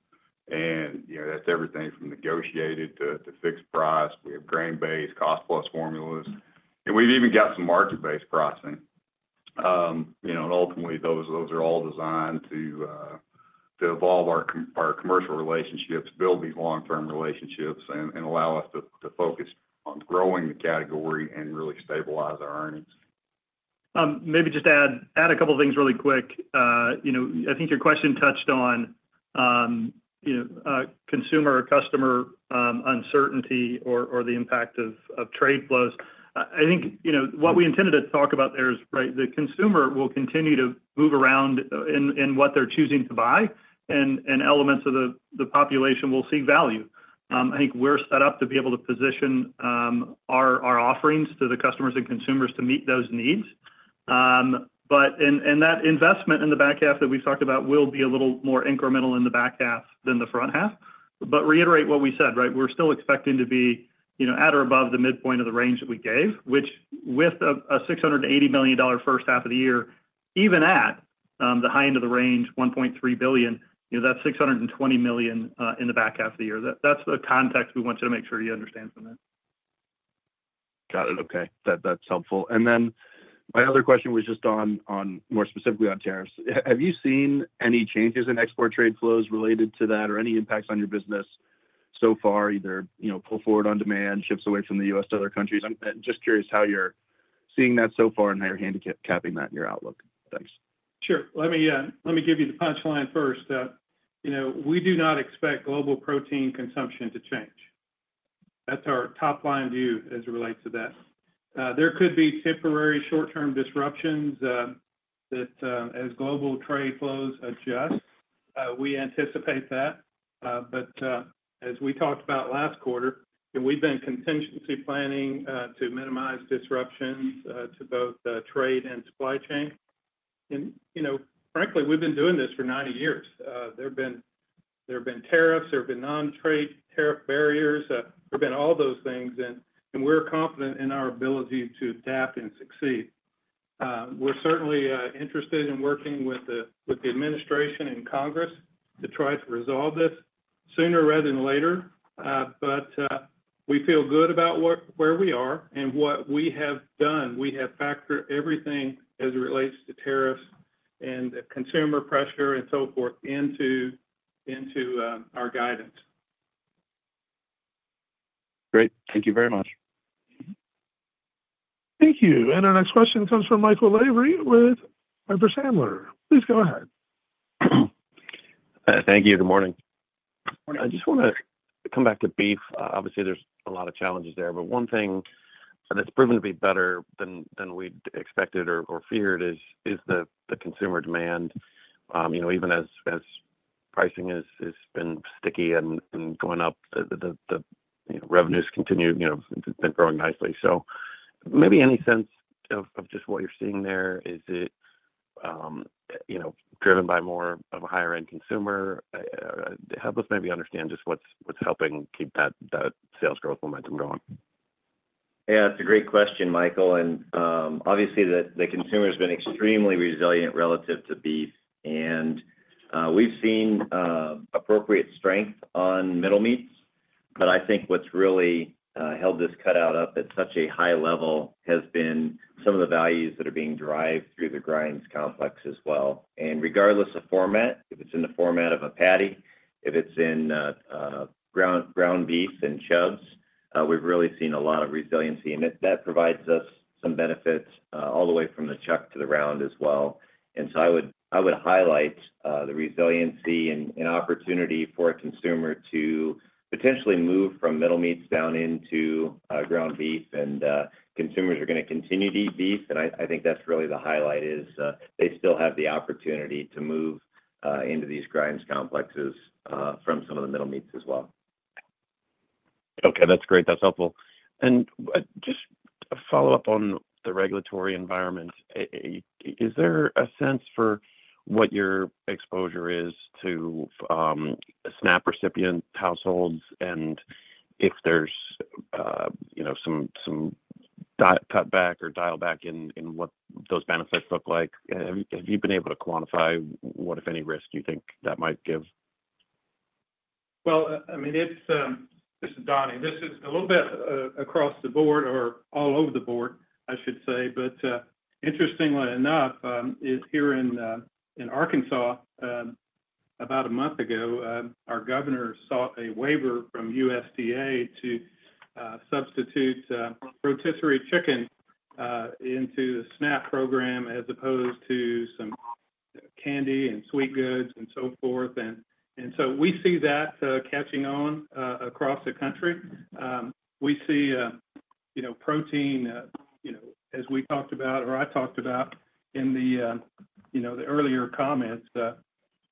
That's everything from negotiated to fixed price. We have grain-based cost-plus formulas. We've even got some market-based pricing. Ultimately, those are all designed to evolve our commercial relationships, build these long-term relationships, and allow us to focus on growing the category and really stabilize our earnings. Maybe just add a couple of things really quick. I think your question touched on consumer or customer uncertainty or the impact of trade flows. I think what we intended to talk about there is, right, the consumer will continue to move around in what they're choosing to buy, and elements of the population will see value. I think we're set up to be able to position our offerings to the customers and consumers to meet those needs. That investment in the back half that we've talked about will be a little more incremental in the back half than the front half. Reiterate what we said, right? We're still expecting to be at or above the midpoint of the range that we gave, which with a $680 million first half of the year, even at the high end of the range, $1.3 billion, that's $620 million in the back half of the year. That's the context we want you to make sure you understand from that. Got it. Okay. That's helpful. My other question was just more specifically on tariffs. Have you seen any changes in export trade flows related to that or any impacts on your business so far, either pull forward on demand, ships away from the U.S. to other countries? I'm just curious how you're seeing that so far and how you're handicapping that in your outlook. Thanks. Sure. Let me give you the punchline first. We do not expect global protein consumption to change. That is our top line view as it relates to that. There could be temporary short-term disruptions as global trade flows adjust. We anticipate that. As we talked about last quarter, we have been contingency planning to minimize disruptions to both trade and supply chain. Frankly, we have been doing this for 90 years. There have been tariffs. There have been non-trade tariff barriers. There have been all those things. We are confident in our ability to adapt and succeed. We are certainly interested in working with the administration and Congress to try to resolve this sooner rather than later. We feel good about where we are and what we have done. We have factored everything as it relates to tariffs and consumer pressure and so forth into our guidance. Great. Thank you very much. Thank you. Our next question comes from Michael Lavery with Piper Sandler. Please go ahead. Thank you. Good morning. I just want to come back to beef. Obviously, there's a lot of challenges there. One thing that's proven to be better than we expected or feared is the consumer demand. Even as pricing has been sticky and going up, the revenues continue to have been growing nicely. Maybe any sense of just what you're seeing there? Is it driven by more of a higher-end consumer? Help us maybe understand just what's helping keep that sales growth momentum going. Yeah. It's a great question, Michael. Obviously, the consumer has been extremely resilient relative to beef. We've seen appropriate strength on middle meats. I think what's really held this cutout up at such a high level has been some of the values that are being derived through the grinds complex as well. Regardless of format, if it's in the format of a patty, if it's in ground beef and chubs, we've really seen a lot of resiliency. That provides us some benefits all the way from the chuck to the round as well. I would highlight the resiliency and opportunity for a consumer to potentially move from middle meats down into ground beef. Consumers are going to continue to eat beef. I think that's really the highlight is they still have the opportunity to move into these grinds complexes from some of the middle meats as well. Okay. That's great. That's helpful. Just a follow-up on the regulatory environment. Is there a sense for what your exposure is to SNAP recipient households and if there's some cutback or dial back in what those benefits look like? Have you been able to quantify what, if any, risk you think that might give? I mean, this is Donnie. This is a little bit across the board or all over the board, I should say. Interestingly enough, here in Arkansas, about a month ago, our governor sought a waiver from USDA to substitute rotisserie chicken into the SNAP program as opposed to some candy and sweet goods and so forth. We see that catching on across the country. We see protein, as we talked about or I talked about in the earlier comments,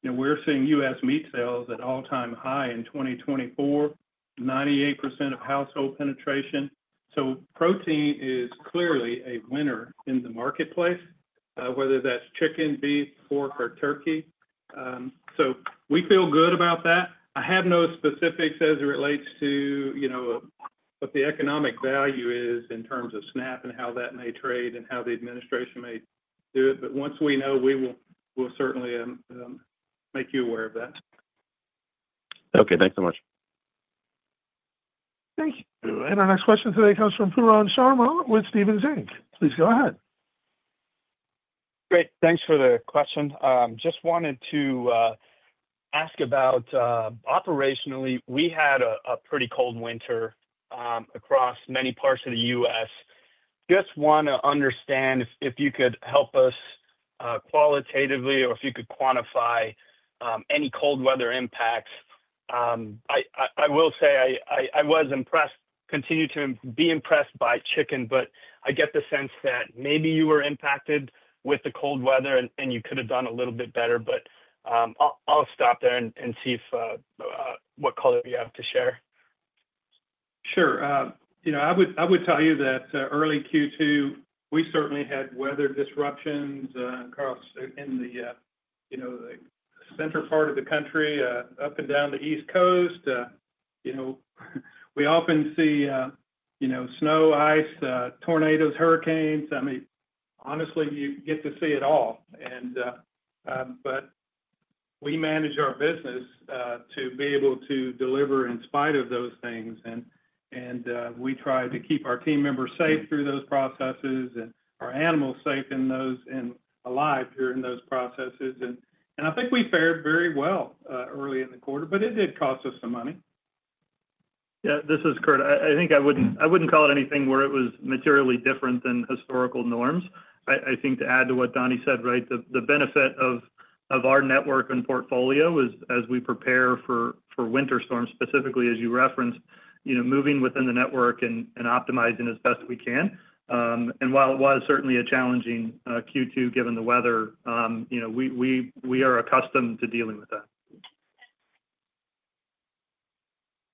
we're seeing U.S. meat sales at all-time high in 2024, 98% of household penetration. Protein is clearly a winner in the marketplace, whether that's chicken, beef, pork, or turkey. We feel good about that. I have no specifics as it relates to what the economic value is in terms of SNAP and how that may trade and how the administration may do it. Once we know, we will certainly make you aware of that. Okay. Thanks so much. Thank you. Our next question today comes from Pooran Sharma with Stephen Zink. Please go ahead. Great. Thanks for the question. Just wanted to ask about operationally, we had a pretty cold winter across many parts of the U.S. Just want to understand if you could help us qualitatively or if you could quantify any cold weather impacts. I will say I was impressed, continued to be impressed by chicken, but I get the sense that maybe you were impacted with the cold weather and you could have done a little bit better. I will stop there and see what color you have to share. Sure. I would tell you that early Q2, we certainly had weather disruptions across in the center part of the country, up and down the East Coast. We often see snow, ice, tornadoes, hurricanes. I mean, honestly, you get to see it all. We manage our business to be able to deliver in spite of those things. We try to keep our team members safe through those processes and our animals safe and alive during those processes. I think we fared very well early in the quarter, but it did cost us some money. Yeah. This is Curt. I think I wouldn't call it anything where it was materially different than historical norms. I think to add to what Donnie said, right, the benefit of our network and portfolio was as we prepare for winter storms, specifically as you referenced, moving within the network and optimizing as best we can. It was certainly a challenging Q2 given the weather, we are accustomed to dealing with that.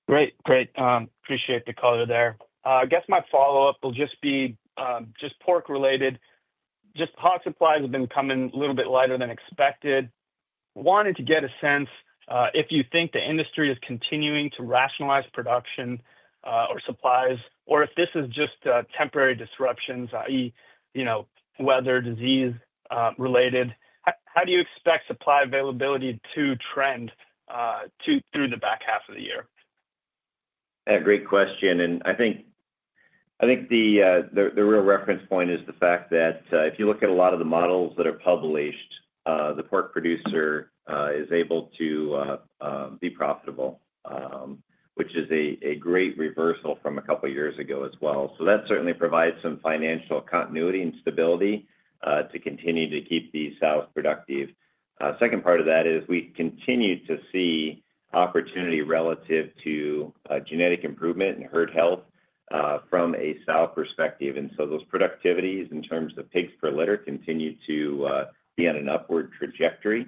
Great. Great. Appreciate the color there. I guess my follow-up will just be just pork-related. Just hog supplies have been coming a little bit lighter than expected. Wanted to get a sense if you think the industry is continuing to rationalize production or supplies, or if this is just temporary disruptions, i.e., weather disease-related. How do you expect supply availability to trend through the back half of the year? Yeah. Great question. I think the real reference point is the fact that if you look at a lot of the models that are published, the pork producer is able to be profitable, which is a great reversal from a couple of years ago as well. That certainly provides some financial continuity and stability to continue to keep the sows productive. The second part of that is we continue to see opportunity relative to genetic improvement and herd health from a sow perspective. Those productivities in terms of pigs per litter continue to be on an upward trajectory,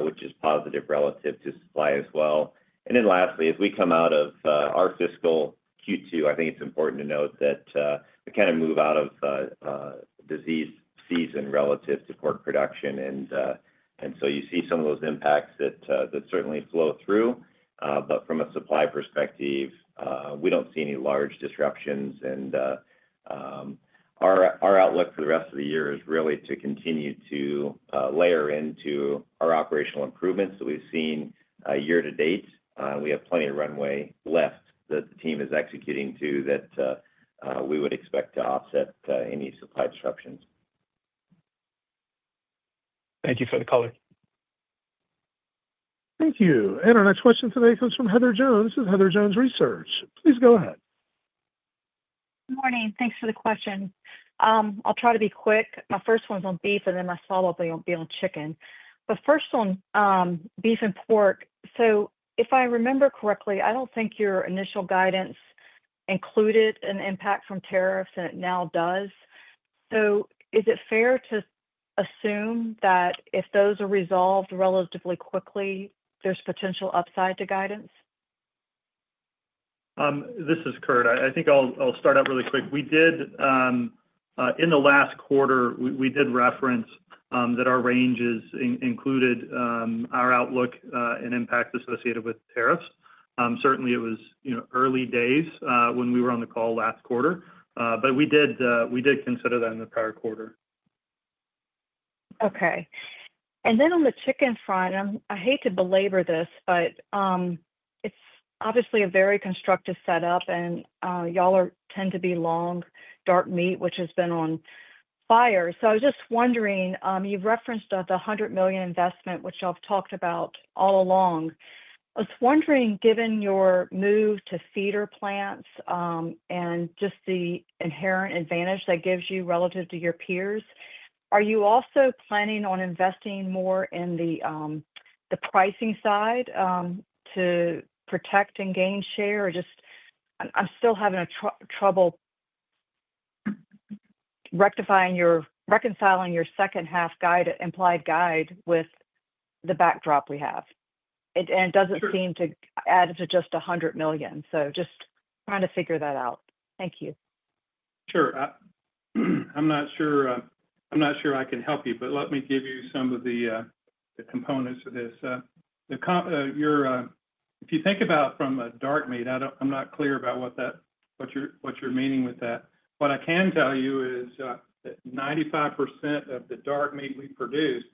which is positive relative to supply as well. Lastly, as we come out of our fiscal Q2, I think it's important to note that we kind of move out of disease season relative to pork production. You see some of those impacts that certainly flow through. From a supply perspective, we do not see any large disruptions. Our outlook for the rest of the year is really to continue to layer into our operational improvements that we have seen year to date. We have plenty of runway left that the team is executing to that we would expect to offset any supply disruptions. Thank you for the color. Thank you. Our next question today comes from Heather Jones with Heather Jones Research. Please go ahead. Good morning. Thanks for the question. I'll try to be quick. My first one's on beef, and then my follow-up will be on chicken. The first one, beef and pork. If I remember correctly, I don't think your initial guidance included an impact from tariffs, and it now does. Is it fair to assume that if those are resolved relatively quickly, there's potential upside to guidance? This is Curt. I think I'll start out really quick. In the last quarter, we did reference that our ranges included our outlook and impact associated with tariffs. Certainly, it was early days when we were on the call last quarter. We did consider that in the prior quarter. Okay. On the chicken front, I hate to belabor this, but it's obviously a very constructive setup, and y'all tend to be long dark meat, which has been on fire. I was just wondering, you've referenced the $100 million investment, which I've talked about all along. I was wondering, given your move to feeder plants and just the inherent advantage that gives you relative to your peers, are you also planning on investing more in the pricing side to protect and gain share? I'm still having trouble reconciling your second-half guide, implied guide with the backdrop we have. It doesn't seem to add to just $100 million. Just trying to figure that out. Thank you. Sure. I'm not sure I can help you, but let me give you some of the components of this. If you think about from a dark meat, I'm not clear about what you're meaning with that. What I can tell you is that 95% of the dark meat we produce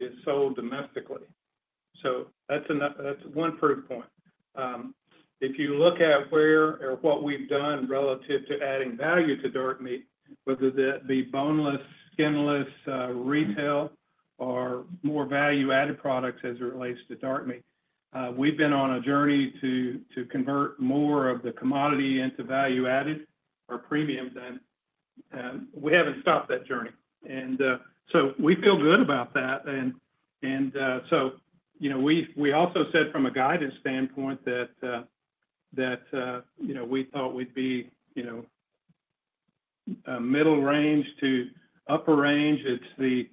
is sold domestically. That's one proof point. If you look at where or what we've done relative to adding value to dark meat, whether that be boneless, skinless, retail, or more value-added products as it relates to dark meat, we've been on a journey to convert more of the commodity into value-added or premium than. We haven't stopped that journey. We feel good about that. We also said from a guidance standpoint that we thought we'd be middle range to upper range. The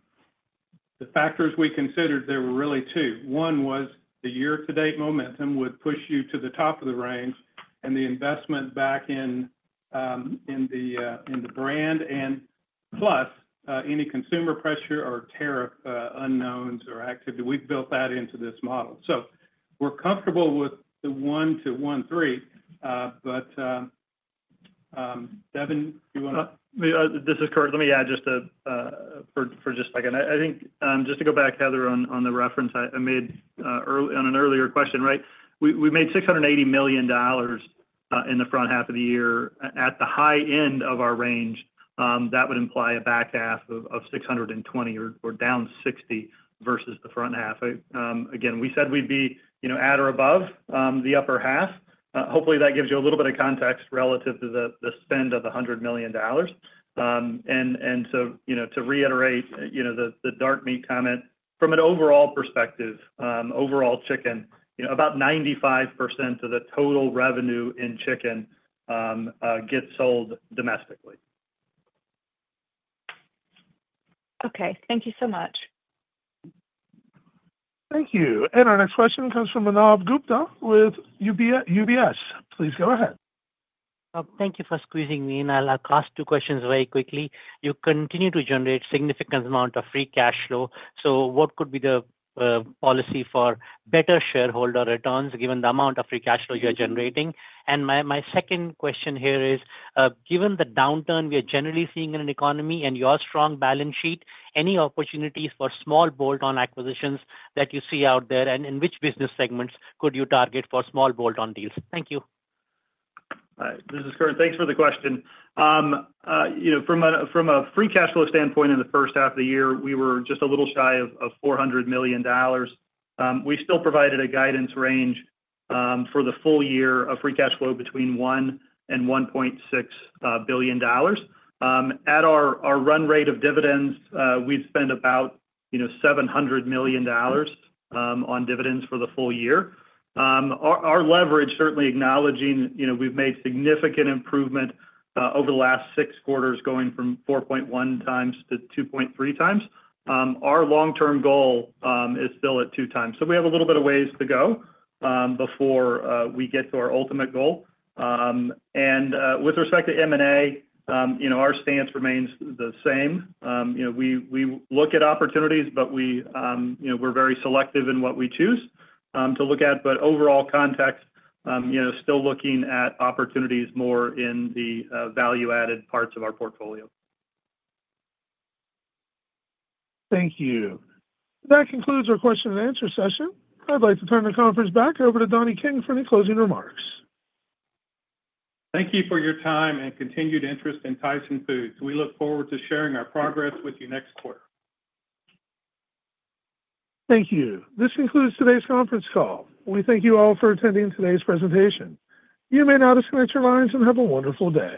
factors we considered, there were really two. One was the year-to-date momentum would push you to the top of the range and the investment back in the brand and plus any consumer pressure or tariff unknowns or activity. We have built that into this model. So we are comfortable with the one to one three. But Devin, do you want to? This is Curt. Let me add just for a second. I think just to go back, Heather, on the reference I made on an earlier question, right? We made $680 million in the front half of the year at the high end of our range. That would imply a back half of $620 million or down $60 million versus the front half. Again, we said we'd be at or above the upper half. Hopefully, that gives you a little bit of context relative to the spend of $100 million. To reiterate the dark meat comment, from an overall perspective, overall chicken, about 95% of the total revenue in chicken gets sold domestically. Okay. Thank you so much. Thank you. Our next question comes from Manav Gupta with UBS. Please go ahead. Thank you for squeezing me in. I'll ask two questions very quickly. You continue to generate a significant amount of free cash flow. What could be the policy for better shareholder returns given the amount of free cash flow you're generating? My second question here is, given the downturn we are generally seeing in an economy and your strong balance sheet, any opportunities for small bolt-on acquisitions that you see out there? In which business segments could you target for small bolt-on deals? Thank you. All right. This is Curt. Thanks for the question. From a free cash flow standpoint, in the first half of the year, we were just a little shy of $400 million. We still provided a guidance range for the full year of free cash flow between $1 billion and $1.6 billion. At our run rate of dividends, we'd spend about $700 million on dividends for the full year. Our leverage, certainly acknowledging we've made significant improvement over the last six quarters, going from 4.1x to 2.3x. Our long-term goal is still at 2x. We have a little bit of ways to go before we get to our ultimate goal. With respect to M&A, our stance remains the same. We look at opportunities, but we're very selective in what we choose to look at. Overall context, still looking at opportunities more in the value-added parts of our portfolio. Thank you. That concludes our question and answer session. I'd like to turn the conference back over to Donnie King for any closing remarks. Thank you for your time and continued interest in Tyson Foods. We look forward to sharing our progress with you next quarter. Thank you. This concludes today's conference call. We thank you all for attending today's presentation. You may now disconnect your lines and have a wonderful day.